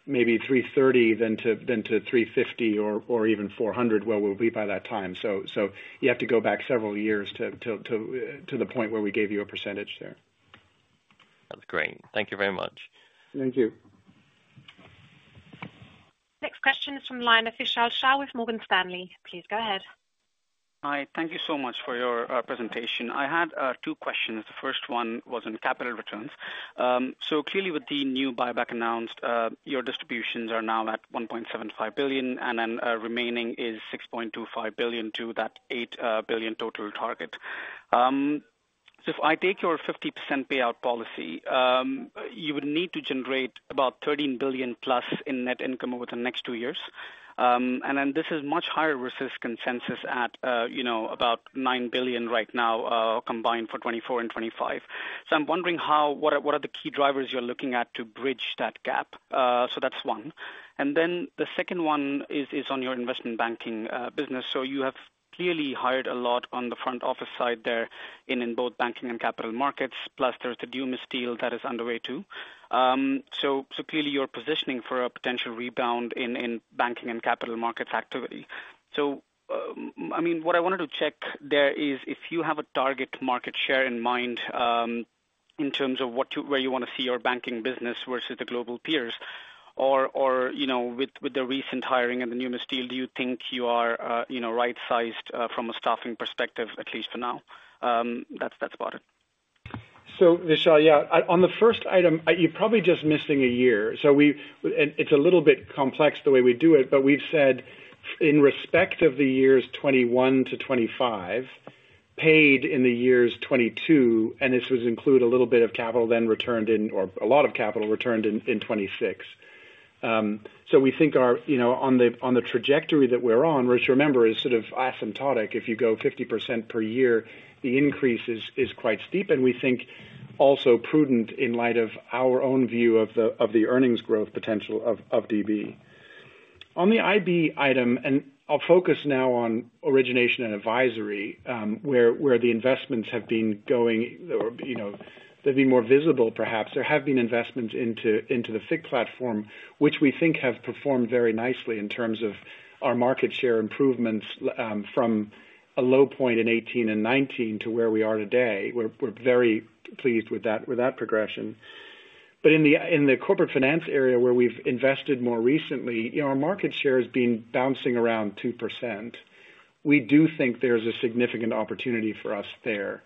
maybe 330 than to 350 or even 400, where we'll be by that time. You have to go back several years to the point where we gave you a percentage there. That's great. Thank you very much. Thank you. Next question is from line of Vishal Shah with Morgan Stanley. Please go ahead. Hi, thank you so much for your presentation. I had two questions. The first one was on capital returns. Clearly with the new buyback announced, your distributions are now at 1.75 billion, remaining is 6.25 billion to that 8 billion total target. If I take your 50% payout policy, you would need to generate about 13 billion plus in net income over the next two years. This is much higher versus consensus at, you know, about 9 billion right now, combined for 2024 and 2025. I'm wondering what are the key drivers you're looking at to bridge that gap? That's one. The second one is on your investment banking business. You have clearly hired a lot on the front office side there in both banking and capital markets, plus there is the Numis deal that is underway, too. Clearly you're positioning for a potential rebound in banking and capital markets activity. I mean, what I wanted to check there is if you have a target market share in mind, in terms of where you want to see your banking business versus the global peers, or, you know, with the recent hiring and the new Numis deal, do you think you are, you know, right sized from a staffing perspective, at least for now? That's about it. Vishal, yeah, on the first item, you're probably just missing a year. It's a little bit complex the way we do it, but we've said in respect of the years 2021 to 2025, paid in the years 2022, and this would include a little bit of capital then returned in or a lot of capital returned in 2026. We think our, you know, on the trajectory that we're on, which, remember, is sort of asymptotic. If you go 50% per year, the increase is quite steep, and we think also prudent in light of our own view of the earnings growth potential of DB. On the IB item, and I'll focus now on Origination & Advisory, where the investments have been going or, you know, they'd be more visible perhaps. There have been investments into the FIC platform, which we think have performed very nicely in terms of our market share improvements, from a low point in 2018 and 2019 to where we are today. We're very pleased with that, with that progression. In the corporate finance area, where we've invested more recently, you know, our market share has been bouncing around 2%. We do think there's a significant opportunity for us there.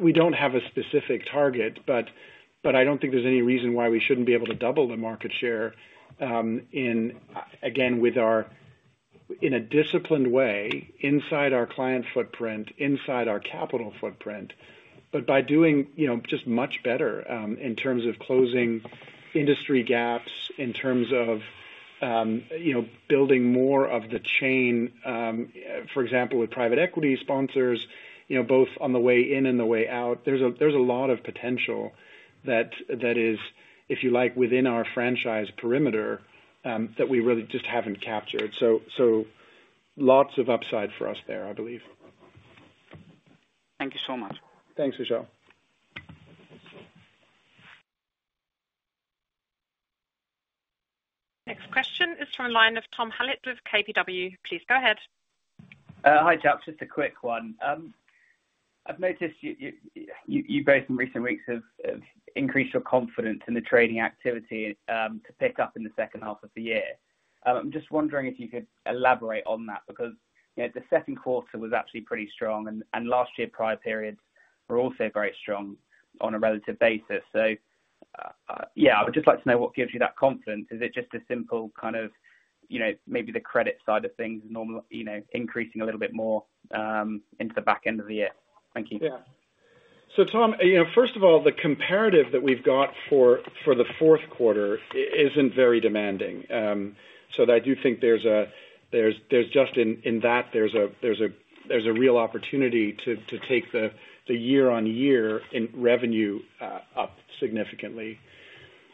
We don't have a specific target, but I don't think there's any reason why we shouldn't be able to double the market share, in, again, with our in a disciplined way, inside our client footprint, inside our capital footprint, but by doing, you know, just much better, in terms of closing industry gaps, in terms of, you know, building more of the chain, for example, with private equity sponsors, you know, both on the way in and the way out. There's a lot of potential that is, if you like, within our franchise perimeter, that we really just haven't captured. Lots of upside for us there, I believe. Thank you so much. Thanks, Vishal. Next question is from line of Tom Hallett with KBW. Please go ahead. Hi, Jeff, just a quick one. I've noticed you guys, in recent weeks, have increased your confidence in the trading activity to pick up in the second half of the year. I'm just wondering if you could elaborate on that, because, you know, the second quarter was actually pretty strong, and last year, prior periods were also very strong on a relative basis. Yeah, I would just like to know what gives you that confidence? Is it just a simple kind of, you know, maybe the credit side of things you know, increasing a little bit more into the back end of the year? Thank you. Yeah. Tom, you know, first of all, the comparative that we've got for the fourth quarter isn't very demanding. I do think there's just in that there's a real opportunity to take the year-over-year in revenue up significantly.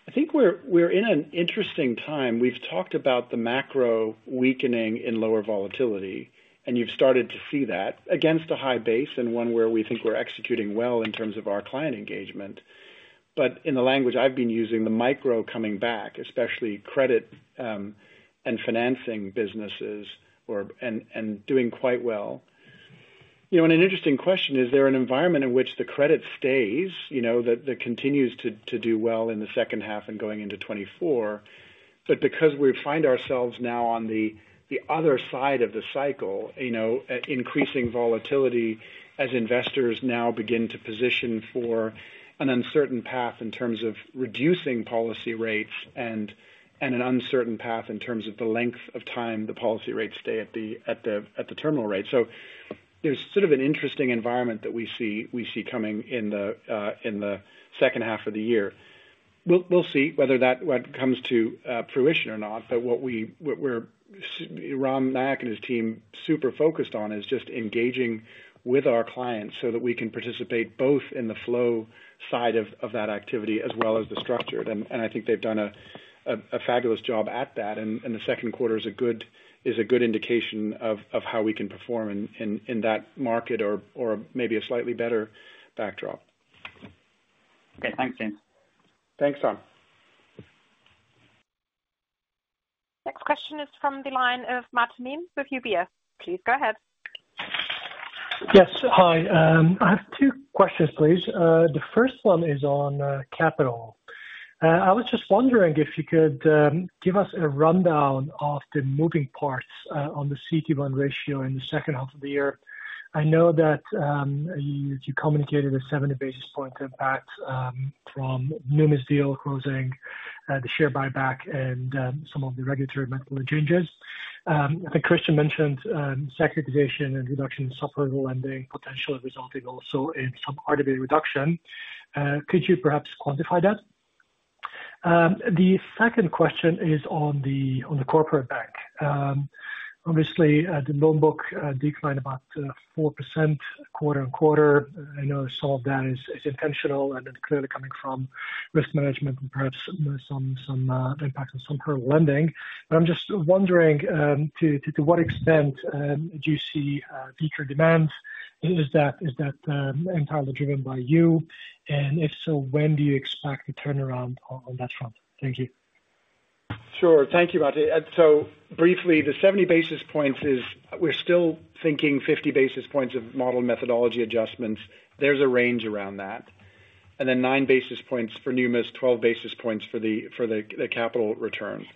I think we're in an interesting time. We've talked about the macro weakening in lower volatility, You've started to see that against a high base and one where we think we're executing well in terms of our client engagement. In the language I've been using, the micro coming back, especially credit and financing businesses doing quite well. You know, an interesting question, is there an environment in which the credit stays, you know, that continues to do well in the second half and going into 2024? Because we find ourselves now on the other side of the cycle, you know, increasing volatility as investors now begin to position for an uncertain path in terms of reducing policy rates and an uncertain path in terms of the length of time the policy rates stay at the terminal rate. There's sort of an interesting environment that we see coming in the second half of the year. We'll see whether that, what comes to fruition or not, but Ram Nayak and his team super focused on, is just engaging with our clients so that we can participate both in the flow side of that activity as well as the structured. I think they've done a fabulous job at that, and the second quarter is a good indication of how we can perform in that market or maybe a slightly better backdrop. Okay, thanks, James. Thanks, Tom. Next question is from the line of Mate Nemes, with UBS. Please go ahead. Yes, hi. I have two questions, please. The first one is on capital. I was just wondering if you could give us a rundown of the moving parts on the CET1 ratio in the second half of the year. I know that you communicated a 70 basis point impact from numerous deal closing, the share buyback and some of the regulatory changes. I think Christian mentioned securitization and reduction in software lending, potentially resulting also in some RWA reduction. Could you perhaps quantify that? The second question is on the Corporate Bank. Obviously, the loan book declined about 4% quarter-on-quarter. I know some of that is intentional, and it's clearly coming from risk management and perhaps some impact on some current lending. I'm just wondering, to what extent do you see future demand? Is that entirely driven by you? And if so, when do you expect the turnaround on that front? Thank you. Sure. Thank you, Mate. Briefly, the 70 basis points is we're still thinking 50 basis points of model methodology adjustments. There's a range around that. Then 9 basis points for Numis, 12 basis points for the capital return.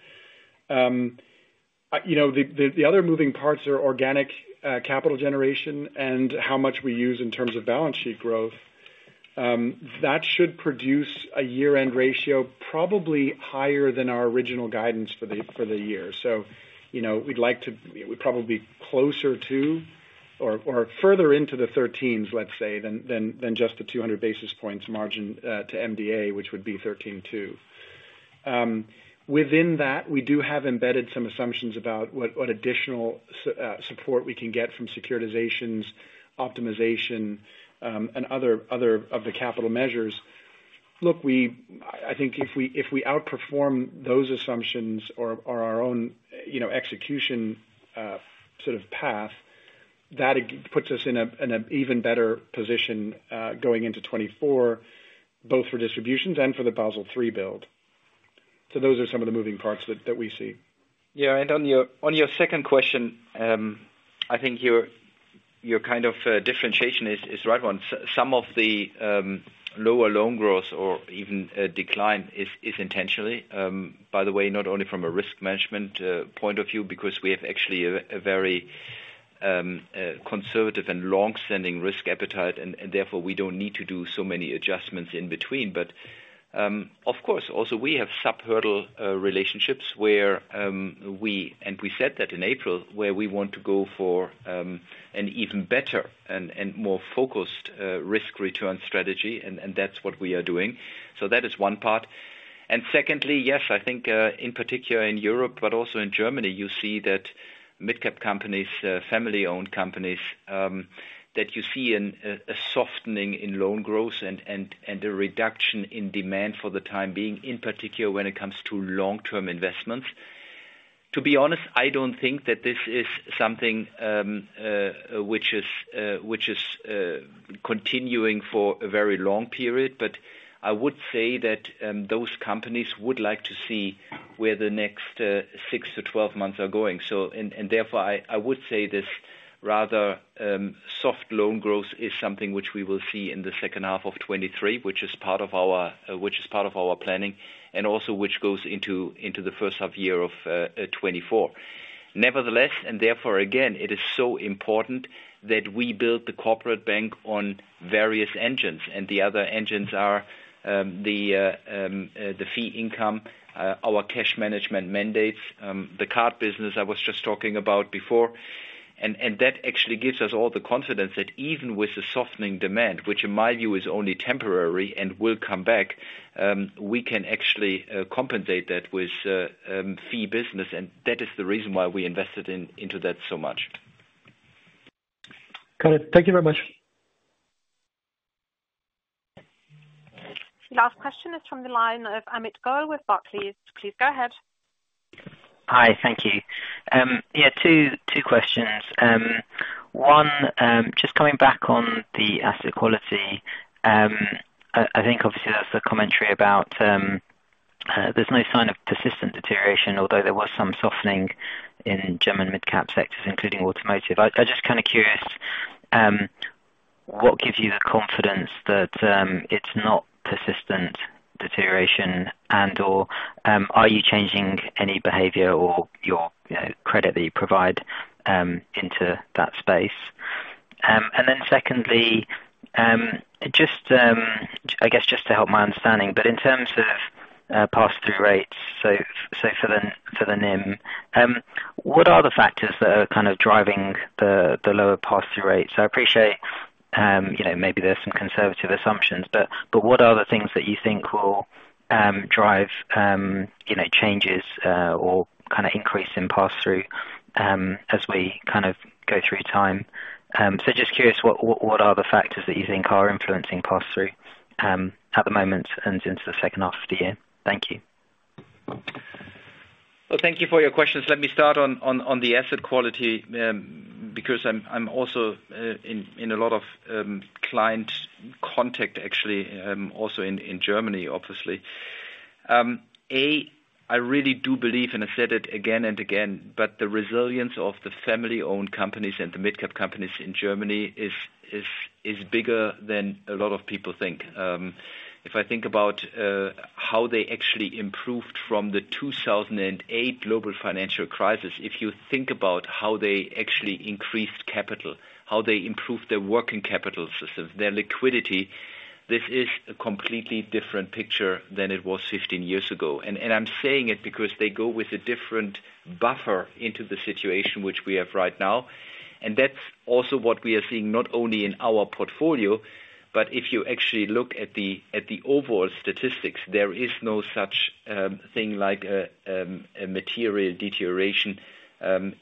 You know, the other moving parts are organic capital generation and how much we use in terms of balance sheet growth. That should produce a year-end ratio, probably higher than our original guidance for the year. You know, we're probably closer to or further into the 13s, let's say, than just the 200 basis points margin to MDA, which would be 13.2. Within that, we do have embedded some assumptions about what additional support we can get from securitizations, optimization, and other of the capital measures. I think if we outperform those assumptions or our own, you know, execution, sort of path, that puts us in an even better position, going into 2024, both for distributions and for the Basel III build. Those are some of the moving parts that we see. Yeah, on your, on your second question, I think your kind of differentiation is right on. Some of the lower loan growth or even decline is intentionally, by the way, not only from a risk management point of view, because we have actually a very conservative and long-standing risk appetite, and therefore, we don't need to do so many adjustments in between. Of course, also we have sub-hurdle relationships where we, and we said that in April, where we want to go for an even better and more focused risk-return strategy, and that's what we are doing. That is one part. Secondly, yes, I think, in particular in Europe, but also in Germany, you see that mid-cap companies, family-owned companies, that you see a softening in loan growth and a reduction in demand for the time being, in particular, when it comes to long-term investments. To be honest, I don't think that this is something which is continuing for a very long period, but I would say that those companies would like to see where the next six to 12 months are going. Therefore, I would say this rather soft loan growth is something which we will see in the second half of 2023, which is part of our planning, and also, which goes into the first half year of 2024. Nevertheless, therefore, again, it is so important that we build the corporate bank on various engines, the other engines are, the fee income, our cash management mandates, the card business I was just talking about before. That actually gives us all the confidence that even with the softening demand, which in my view is only temporary and will come back, we can actually compensate that with fee business, and that is the reason why we invested in, into that so much. Got it. Thank you very much. Last question is from the line of Amit Goel with Barclays. Please go ahead. Hi, thank you. Yeah, two questions. One, just coming back on the asset quality. I think obviously there's a commentary about, there's no sign of persistent deterioration, although there was some softening in German midcap sectors, including automotive. I'm just kind of curious, what gives you the confidence that it's not persistent deterioration and/or, are you changing any behavior or your, you know, credit that you provide, into that space? Secondly, just, I guess, just to help my understanding, but in terms of pass-through rates, so for the NIM, what are the factors that are kind of driving the lower pass-through rates? I appreciate, you know, maybe there's some conservative assumptions, but what are the things that you think will drive, you know, changes, or kind of increase in pass-through, as we kind of go through time? Just curious, what are the factors that you think are influencing pass-through at the moment and into the second half of the year? Thank you. Well, thank you for your questions. Let me start on the asset quality, because I'm also in a lot of client contact actually, also in Germany, obviously. I really do believe, and I said it again and again, the resilience of the family-owned companies and the midcap companies in Germany is bigger than a lot of people think. If I think about how they actually improved from the 2008 global financial crisis, if you think about how they actually increased capital, how they improved their working capital systems, their liquidity, this is a completely different picture than it was 15 years ago. I'm saying it because they go with a different buffer into the situation which we have right now, and that's also what we are seeing, not only in our portfolio, but if you actually look at the overall statistics, there is no such thing like a material deterioration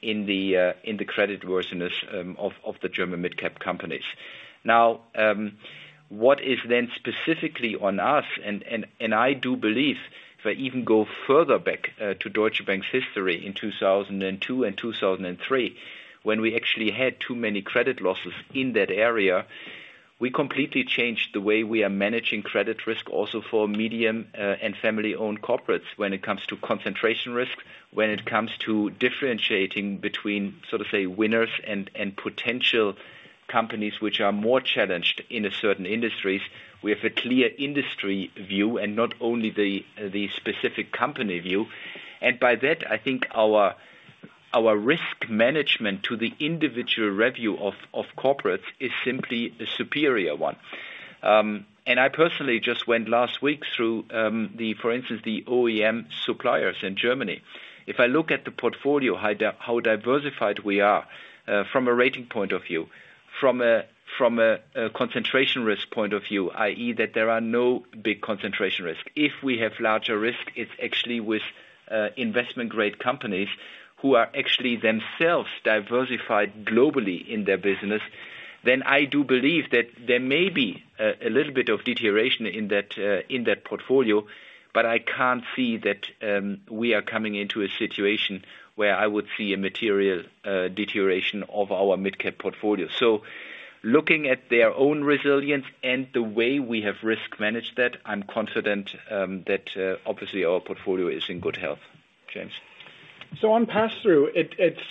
in the credit worthiness of the German midcap companies. What is then specifically on us, and I do believe if I even go further back to Deutsche Bank's history in 2002 and 2003, when we actually had too many credit losses in that area, we completely changed the way we are managing credit risk also for medium and family-owned corporates when it comes to concentration risk. When it comes to differentiating between, sort of say, winners and potential companies which are more challenged in a certain industries, we have a clear industry view and not only the specific company view. By that, I think our risk management to the individual review of corporates is simply a superior one. I personally just went last week through the, for instance, the OEM suppliers in Germany. If I look at the portfolio, how diversified we are, from a rating point of view, from a concentration risk point of view, i.e., that there are no big concentration risk. If we have larger risk, it's actually with investment grade companies who are actually themselves diversified globally in their business, then I do believe that there may be a little bit of deterioration in that portfolio, but I can't see that we are coming into a situation where I would see a material deterioration of our midcap portfolio. Looking at their own resilience and the way we have risk managed that, I'm confident that obviously our portfolio is in good health. James? On pass-through, it's,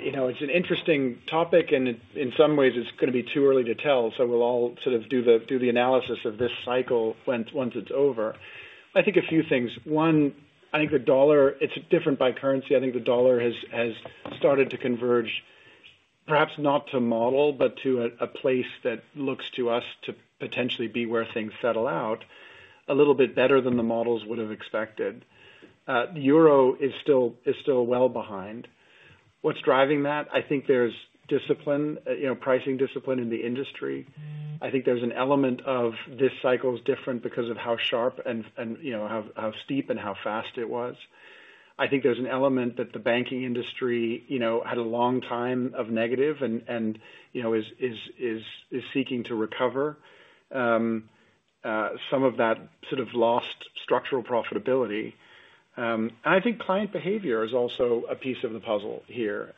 you know, it's an interesting topic, and in some ways it's gonna be too early to tell, so we'll all sort of do the analysis of this cycle once it's over. I think a few things. One, I think the dollar. It's different by currency. I think the dollar has started to converge, perhaps not to model, but to a place that looks to us to potentially be where things settle out a little bit better than the models would have expected. The euro is still well behind. What's driving that? I think there's discipline, you know, pricing discipline in the industry. I think there's an element of this cycle is different because of how sharp and, you know, how steep and how fast it was. I think there's an element that the banking industry, you know, had a long time of negative and, you know, is seeking to recover some of that sort of lost structural profitability. I think client behavior is also a piece of the puzzle here.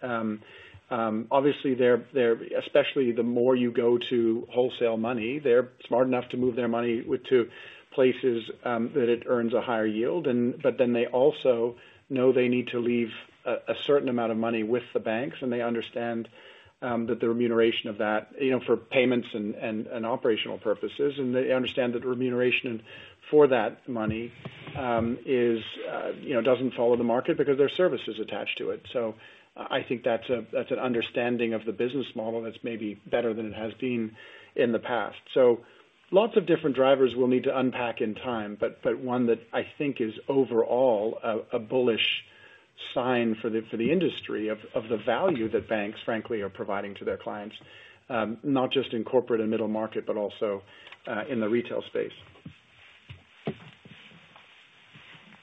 Obviously they're especially the more you go to wholesale money, they're smart enough to move their money with, to places that it earns a higher yield. They also know they need to leave a certain amount of money with the banks, and they understand that the remuneration of that, you know, for payments and operational purposes, and they understand that the remuneration for that money is, you know, doesn't follow the market because there are services attached to it. I think that's an understanding of the business model that's maybe better than it has been in the past. Lots of different drivers we'll need to unpack in time, but one that I think is overall a bullish sign for the industry, of the value that banks frankly are providing to their clients, not just in corporate and middle market, but also in the retail space.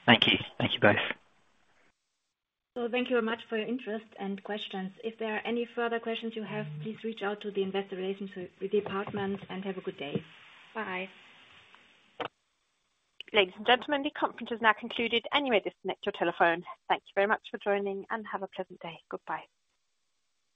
Thank you. Thank you both. Thank you very much for your interest and questions. If there are any further questions you have, please reach out to the investor relations with the department, and have a good day. Bye. Ladies and gentlemen, the conference is now concluded, and you may disconnect your telephone. Thank you very much for joining, and have a pleasant day. Goodbye.